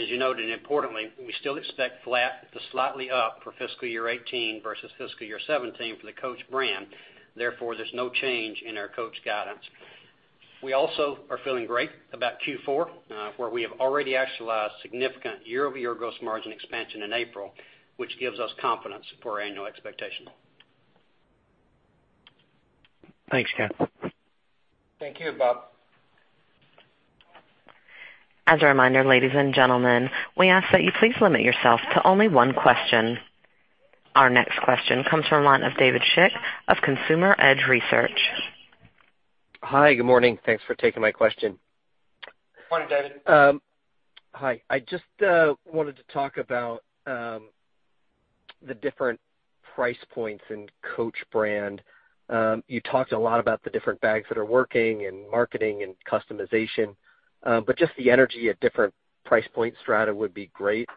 As you noted, importantly, we still expect flat to slightly up for fiscal year 2018 versus fiscal year 2017 for the Coach brand. Therefore, there's no change in our Coach guidance. We also are feeling great about Q4, where we have already actualized significant year-over-year gross margin expansion in April, which gives us confidence for annual expectation. Thanks, Kevin. Thank you, Bob. As a reminder, ladies and gentlemen, we ask that you please limit yourself to only one question. Our next question comes from the line of David Schick of Consumer Edge Research. Hi, good morning. Thanks for taking my question. Good morning, David. Hi. I just wanted to talk about the different price points in Coach. You talked a lot about the different bags that are working and marketing and customization. Just the energy at different price point strata would be great.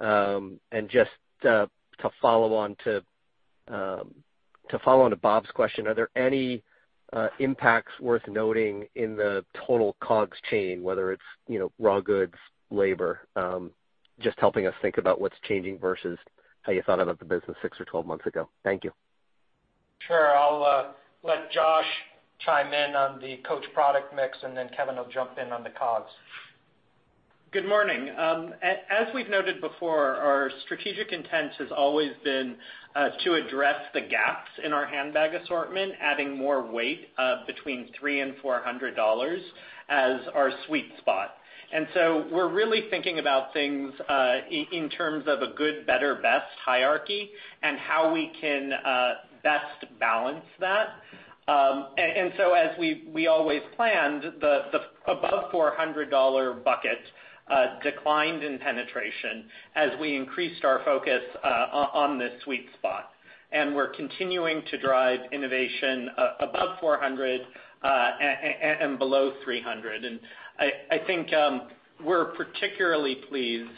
Just to follow on to Bob's question, are there any impacts worth noting in the total COGS chain, whether it's raw goods, labor. Just helping us think about what's changing versus how you thought about the business six or 12 months ago. Thank you. Sure. I'll let Josh chime in on the Coach product mix, then Kevin will jump in on the COGS. Good morning. As we've noted before, our strategic intent has always been to address the gaps in our handbag assortment, adding more weight between $300 and $400 as our sweet spot. We're really thinking about things in terms of a good, better, best hierarchy and how we can best balance that. As we always planned, the above $400 bucket declined in penetration as we increased our focus on this sweet spot. We're continuing to drive innovation above 400 and below 300. I think we're particularly pleased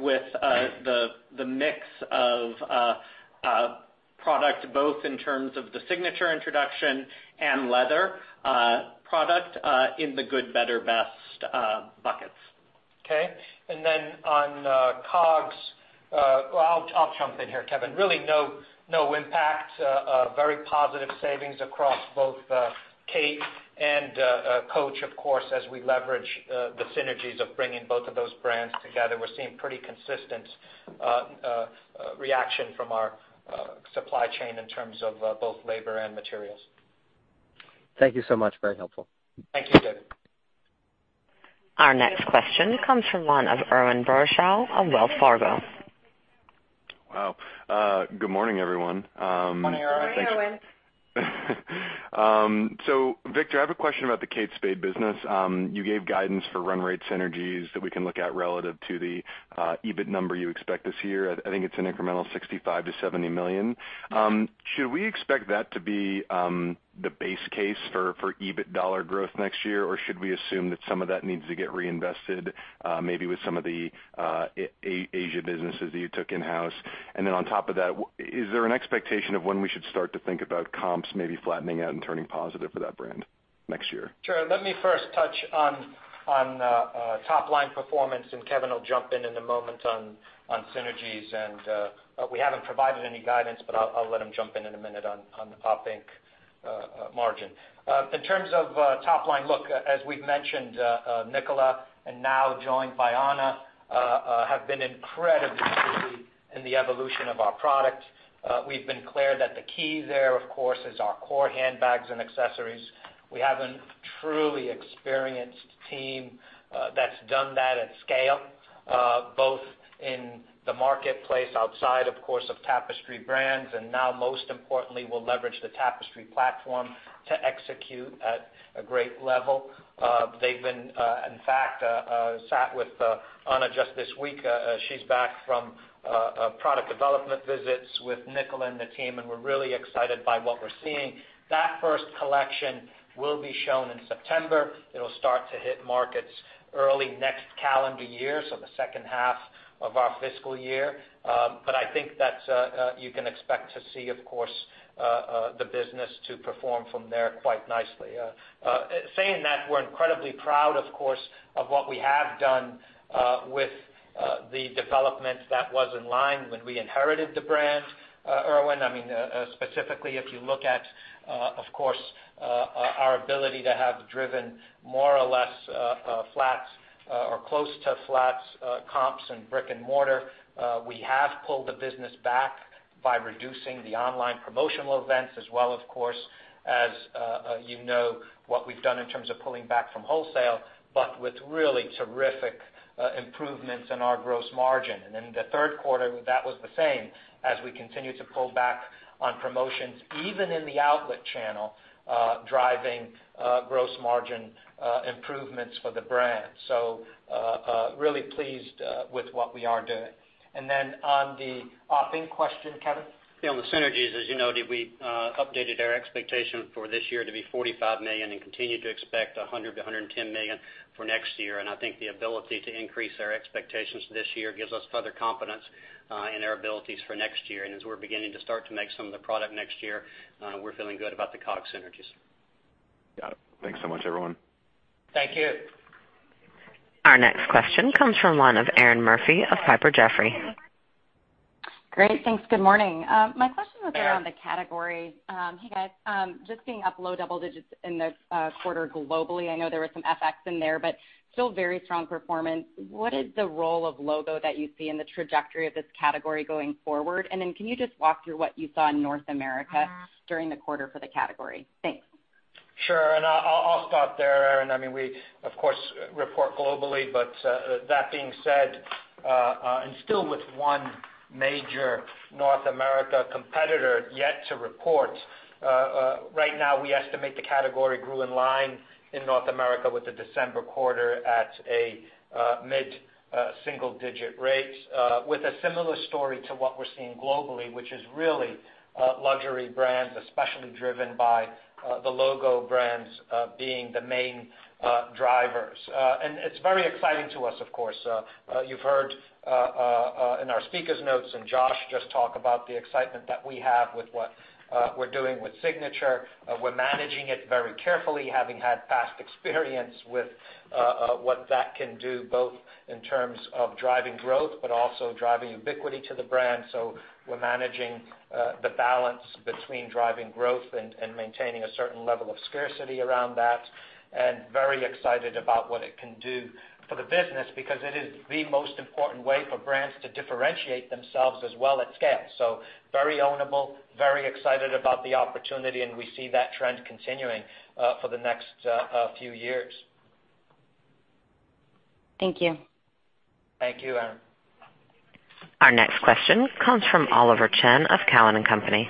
with the mix of product, both in terms of the Signature introduction and leather product in the good, better, best buckets. Okay. On COGS, well, I'll jump in here, Kevin. Really no impact. Very positive savings across both Kate and Coach, of course, as we leverage the synergies of bringing both of those brands together. We're seeing pretty consistent reaction from our supply chain in terms of both labor and materials. Thank you so much. Very helpful. Thank you, David. Our next question comes from the line of Ike Boruchow of Wells Fargo. Wow. Good morning, everyone. Morning, Erinn. Morning, Erinn. Victor, I have a question about the Kate Spade business. You gave guidance for run rate synergies that we can look at relative to the EBIT number you expect this year. I think it's an incremental $65 million-$70 million. Should we expect that to be the base case for EBIT dollar growth next year, or should we assume that some of that needs to get reinvested, maybe with some of the Asia businesses that you took in-house? On top of that, is there an expectation of when we should start to think about comps maybe flattening out and turning positive for that brand next year? Sure. Let me first touch on top line performance, and Kevin will jump in in a moment on synergies. We haven't provided any guidance, but I'll let him jump in in a minute on the op-inc margin. In terms of top line, look, as we've mentioned, Nicola and now joined by Anna, have been incredibly busy in the evolution of our product. We've been clear that the key there, of course, is our core handbags and accessories. We have a truly experienced team that's done that at scale both in the marketplace outside, of course, of Tapestry brands. Now most importantly, we'll leverage the Tapestry platform to execute at a great level. In fact, sat with Anna just this week. She's back from product development visits with Nicola and the team, and we're really excited by what we're seeing. That first collection will be shown in September. It'll start to hit markets early next calendar year, so the second half of our fiscal year. I think that you can expect to see, of course, the business to perform from there quite nicely. Saying that, we're incredibly proud, of course, of what we have done with the development that was in line when we inherited the brand, Ike. I mean, specifically, if you look at, of course, our ability to have driven more or less flats or close to flats comps in brick and mortar. We have pulled the business back by reducing the online promotional events as well, of course, as you know, what we've done in terms of pulling back from wholesale, but with really terrific improvements in our gross margin. In the third quarter, that was the same as we continue to pull back on promotions, even in the outlet channel, driving gross margin improvements for the brand. Really pleased with what we are doing. On the CapEx question, Kevin? On the synergies, as you noted, we updated our expectation for this year to be $45 million and continue to expect $100 million-$110 million for next year. I think the ability to increase our expectations this year gives us further confidence in our abilities for next year. As we're beginning to start to make some of the product next year, we're feeling good about the COGS synergies. Got it. Thanks so much, everyone. Thank you. Our next question comes from the line of Erinn Murphy of Piper Jaffray. Great. Thanks. Good morning. My question was around the category. Hey, guys. Just being up low double digits in the quarter globally, I know there was some FX in there, but still very strong performance. What is the role of logo that you see in the trajectory of this category going forward? Then can you just walk through what you saw in North America during the quarter for the category? Thanks. Sure. I'll start there, Erinn. I mean, we, of course, report globally, but that being said, and still with one major North America competitor yet to report. Right now, we estimate the category grew in line in North America with the December quarter at a mid-single-digit rate, with a similar story to what we're seeing globally, which is really luxury brands, especially driven by the logo brands, being the main drivers. It's very exciting to us, of course. You've heard in our speakers notes and Josh just talk about the excitement that we have with what we're doing with Signature. We're managing it very carefully, having had past experience with what that can do, both in terms of driving growth, but also driving ubiquity to the brand. We're managing the balance between driving growth and maintaining a certain level of scarcity around that, and very excited about what it can do for the business, because it is the most important way for brands to differentiate themselves as well at scale. Very ownable, very excited about the opportunity, and we see that trend continuing for the next few years. Thank you. Thank you, Erinn. Our next question comes from Oliver Chen of Cowen and Company.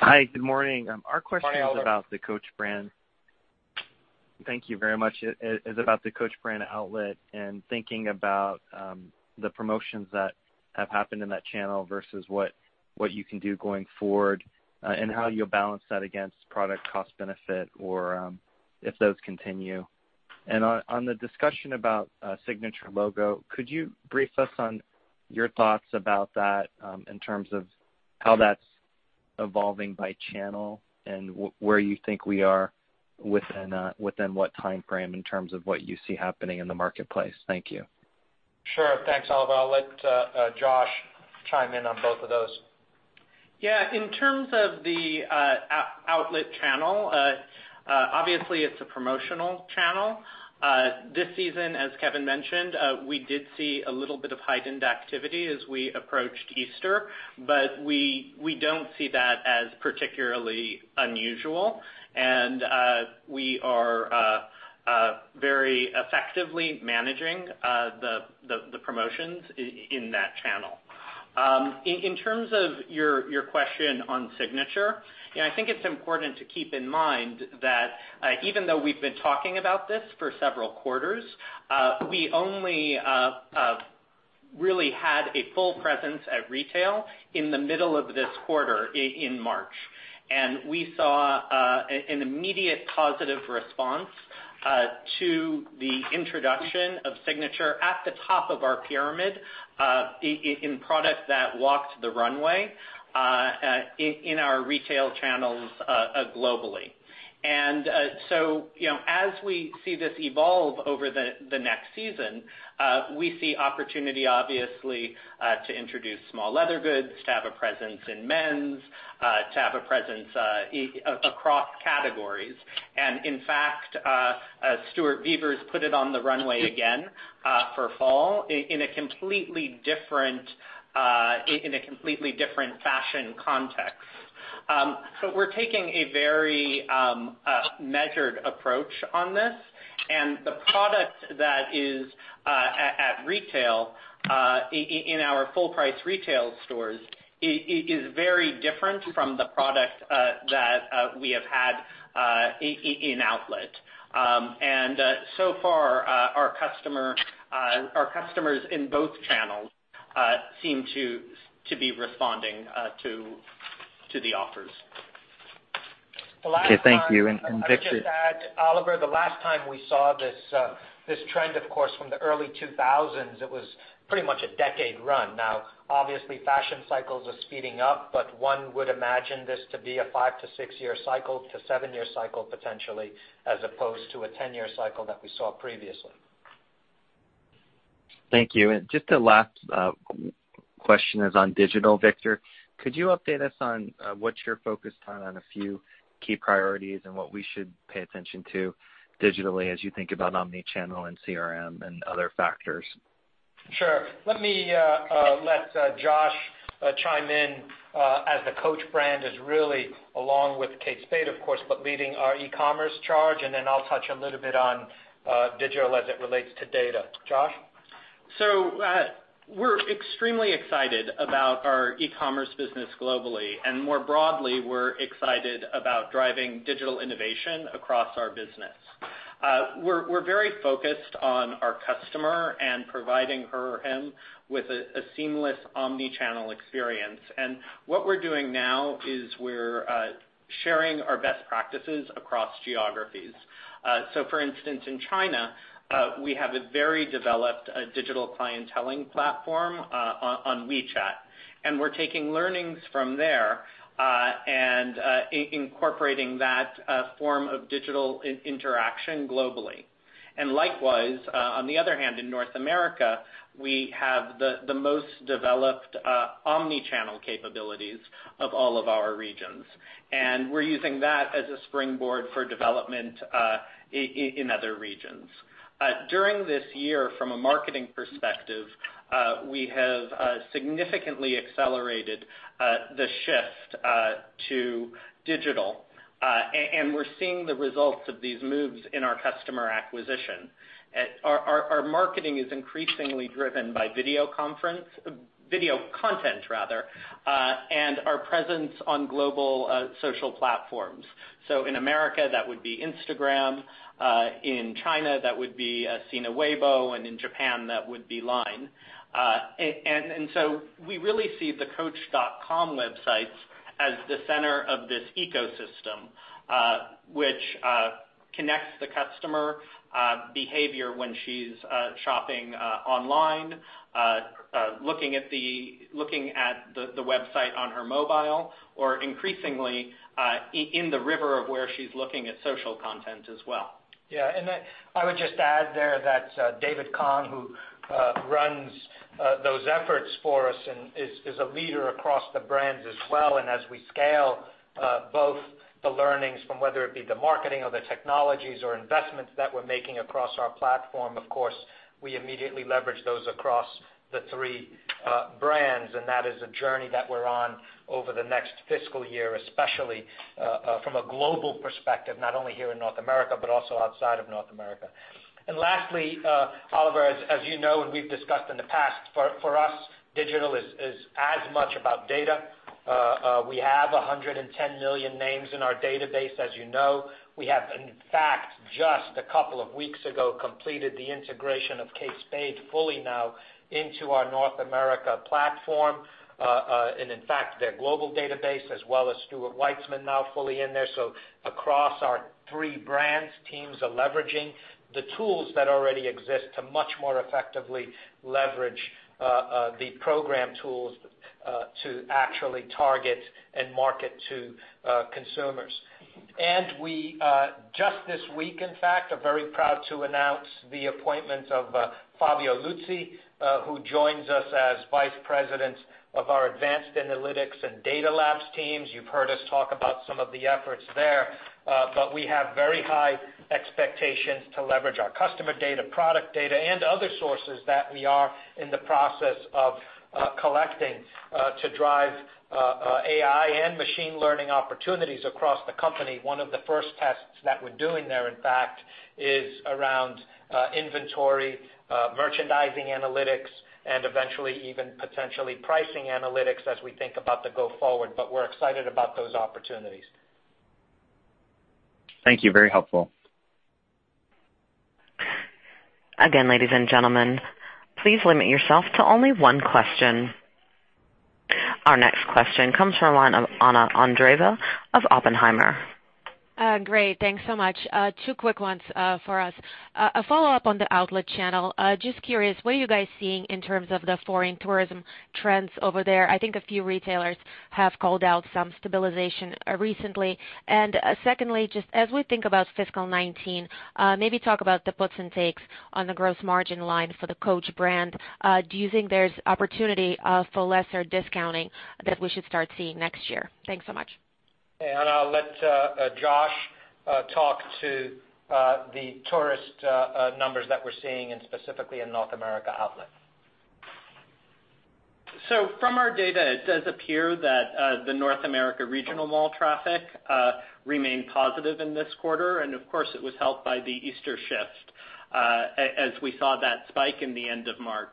Hi, good morning. Good morning, Oliver. Our question is about the Coach brand. Thank you very much. It is about the Coach brand outlet and thinking about the promotions that have happened in that channel versus what you can do going forward and how you'll balance that against product cost benefit or if those continue. On the discussion about Signature logo, could you brief us on your thoughts about that in terms of how that's evolving by channel and where you think we are within what time frame in terms of what you see happening in the marketplace? Thank you. Sure. Thanks, Oliver. I'll let Josh chime in on both of those. Yeah. In terms of the outlet channel, obviously it's a promotional channel. This season, as Kevin mentioned, we did see a little bit of heightened activity as we approached Easter. We don't see that as particularly unusual. We are very effectively managing the promotions in that channel. In terms of your question on Signature, I think it's important to keep in mind that even though we've been talking about this for several quarters, we only really had a full presence at retail in the middle of this quarter in March. We saw an immediate positive response to the introduction of Signature at the top of our pyramid in product that walked the runway in our retail channels globally. As we see this evolve over the next season, we see opportunity, obviously, to introduce small leather goods, to have a presence in men's, to have a presence across categories. In fact, Stuart Vevers put it on the runway again for fall in a completely different fashion context. We're taking a very measured approach on this. The product that is at retail in our full-price retail stores is very different from the product that we have had in outlet. Our customers in both channels seem to be responding to the offers. Okay, thank you. Victor- I'll just add, Oliver, the last time we saw this trend, of course, from the early 2000s, it was pretty much a decade run. One would imagine this to be a five to six-year cycle to seven-year cycle potentially, as opposed to a 10-year cycle that we saw previously. Thank you. Just a last question is on digital, Victor. Could you update us on what you're focused on a few key priorities and what we should pay attention to digitally as you think about omni-channel and CRM and other factors? Sure. Let me let Josh chime in as the Coach brand is really along with Kate Spade, of course, but leading our e-commerce charge, and then I'll touch a little bit on digital as it relates to data. Josh? We're extremely excited about our e-commerce business globally, and more broadly, we're excited about driving digital innovation across our business. We're very focused on our customer and providing her or him with a seamless omni-channel experience. What we're doing now is we're sharing our best practices across geographies. For instance, in China, we have a very developed digital clienteling platform on WeChat. We're taking learnings from there and incorporating that form of digital interaction globally. Likewise, on the other hand, in North America, we have the most developed omni-channel capabilities of all of our regions. We're using that as a springboard for development in other regions. During this year, from a marketing perspective, we have significantly accelerated the shift to digital. We're seeing the results of these moves in our customer acquisition. Our marketing is increasingly driven by video content and our presence on global social platforms. In America, that would be Instagram. In China, that would be Sina Weibo, and in Japan that would be Line. We really see the coach.com websites as the center of this ecosystem, which connects the customer behavior when she's shopping online, looking at the website on her mobile, or increasingly, in the river of where she's looking at social content as well. I would just add there that David Kong, who runs those efforts for us and is a leader across the brands as well. As we scale both the learnings from whether it be the marketing or the technologies or investments that we're making across our platform, of course, we immediately leverage those across the three brands. That is a journey that we're on over the next fiscal year, especially from a global perspective, not only here in North America, but also outside of North America. Lastly, Oliver, as you know and we've discussed in the past, for us, digital is as much about data. We have 110 million names in our database, as you know. We have, in fact, just a couple of weeks ago, completed the integration of Kate Spade fully now into our North America platform. In fact, their global database as well as Stuart Weitzman now fully in there. Across our three brands, teams are leveraging the tools that already exist to much more effectively leverage the program tools to actually target and market to consumers. We, just this week, in fact, are very proud to announce the appointment of Fabio Luzzi, who joins us as vice president of our advanced analytics and data labs teams. You've heard us talk about some of the efforts there. We have very high expectations to leverage our customer data, product data, and other sources that we are in the process of collecting to drive AI and machine learning opportunities across the company. One of the first tests that we're doing there, in fact, is around inventory, merchandising analytics, and eventually even potentially pricing analytics as we think about the go forward. We're excited about those opportunities. Thank you. Very helpful. Again, ladies and gentlemen, please limit yourself to only one question. Our next question comes from the line of Anna Andreeva of Oppenheimer. Great. Thanks so much. Two quick ones for us. A follow-up on the outlet channel. Just curious, what are you guys seeing in terms of the foreign tourism trends over there? I think a few retailers have called out some stabilization recently. Secondly, just as we think about fiscal 2019, maybe talk about the puts and takes on the gross margin line for the Coach brand. Do you think there's opportunity for lesser discounting that we should start seeing next year? Thanks so much. Anna, I'll let Josh talk to the tourist numbers that we're seeing, and specifically in North America outlet. From our data, it does appear that the North America regional mall traffic remained positive in this quarter. Of course, it was helped by the Easter shift as we saw that spike in the end of March.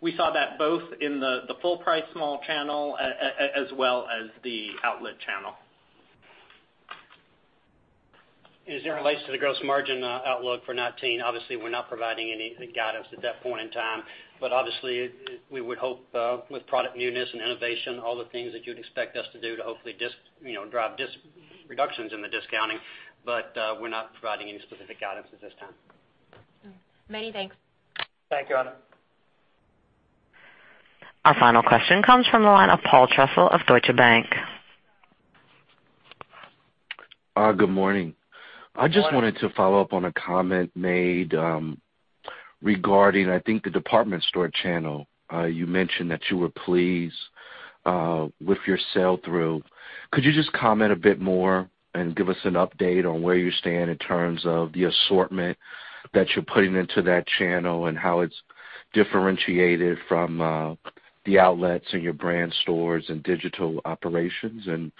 We saw that both in the full price mall channel as well as the outlet channel. As it relates to the gross margin outlook for 19, obviously, we're not providing any guidance at that point in time. Obviously, we would hope with product newness and innovation, all the things that you'd expect us to do to hopefully drive reductions in the discounting. We're not providing any specific guidance at this time. Many thanks. Thank you, Anna. Our final question comes from the line of Paul Trussell of Deutsche Bank. Good morning. Good morning. I just wanted to follow up on a comment made regarding, I think, the department store channel. You mentioned that you were pleased with your sell-through. Could you just comment a bit more and give us an update on where you stand in terms of the assortment that you're putting into that channel and how it's differentiated from the outlets and your brand stores and digital operations, and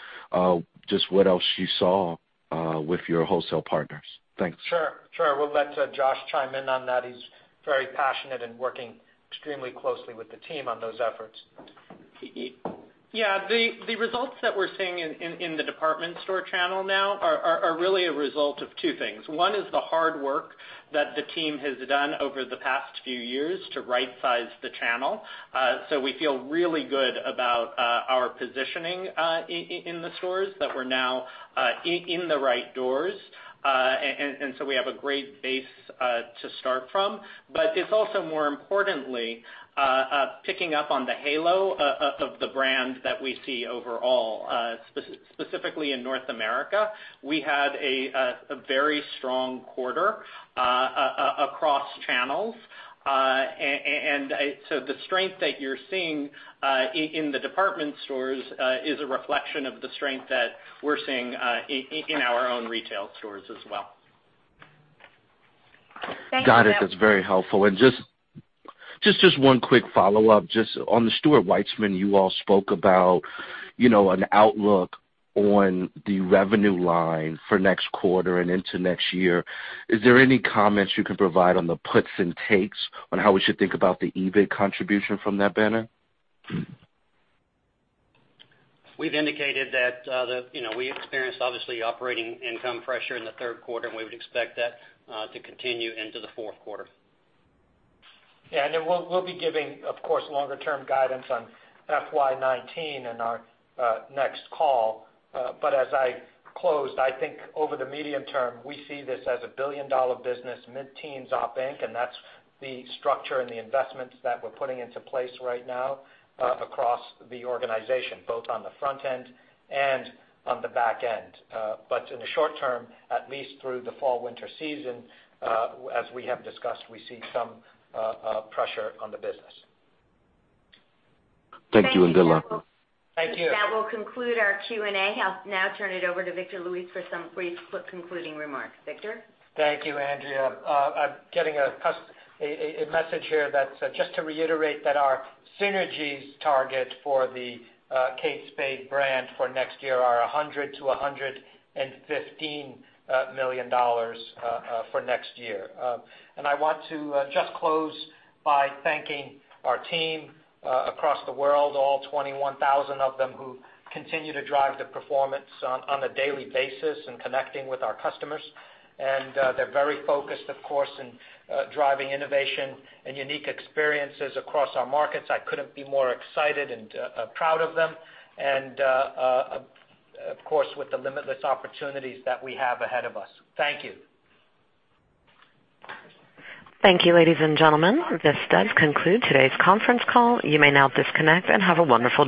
just what else you saw with your wholesale partners? Thanks. Sure. We'll let Josh chime in on that. He's very passionate and working extremely closely with the team on those efforts. Yeah. The results that we're seeing in the department store channel now are really a result of two things. One is the hard work that the team has done over the past few years to right-size the channel. We feel really good about our positioning in the stores that we're now in the right doors. We have a great base to start from. It's also more importantly, picking up on the halo of the brand that we see overall. Specifically in North America, we had a very strong quarter across channels. The strength that you're seeing in the department stores is a reflection of the strength that we're seeing in our own retail stores as well. Got it. That's very helpful. Just one quick follow-up. Just on the Stuart Weitzman, you all spoke about an outlook on the revenue line for next quarter and into next year. Is there any comments you can provide on the puts and takes on how we should think about the EBIT contribution from that banner? We've indicated that we experienced obviously operating income pressure in the third quarter, and we would expect that to continue into the fourth quarter. Yeah. We'll be giving, of course, longer-term guidance on FY 2019 in our next call. As I closed, I think over the medium term, we see this as a billion-dollar business, mid-teens op inc., and that's the structure and the investments that we're putting into place right now across the organization, both on the front end and on the back end. In the short term, at least through the fall/winter season, as we have discussed, we see some pressure on the business. Thank you, and good luck. Thank you. That will conclude our Q&A. I will now turn it over to Victor Luis for some brief concluding remarks. Victor? Thank you, Andrea. I am getting a message here that just to reiterate that our synergies target for the Kate Spade brand for next year are $100 million-$115 million for next year. I want to just close by thanking our team across the world, all 21,000 of them, who continue to drive the performance on a daily basis in connecting with our customers. They are very focused, of course, in driving innovation and unique experiences across our markets. I couldn't be more excited and proud of them. Of course, with the limitless opportunities that we have ahead of us. Thank you. Thank you, ladies and gentlemen. This does conclude today's conference call. You may now disconnect and have a wonderful day.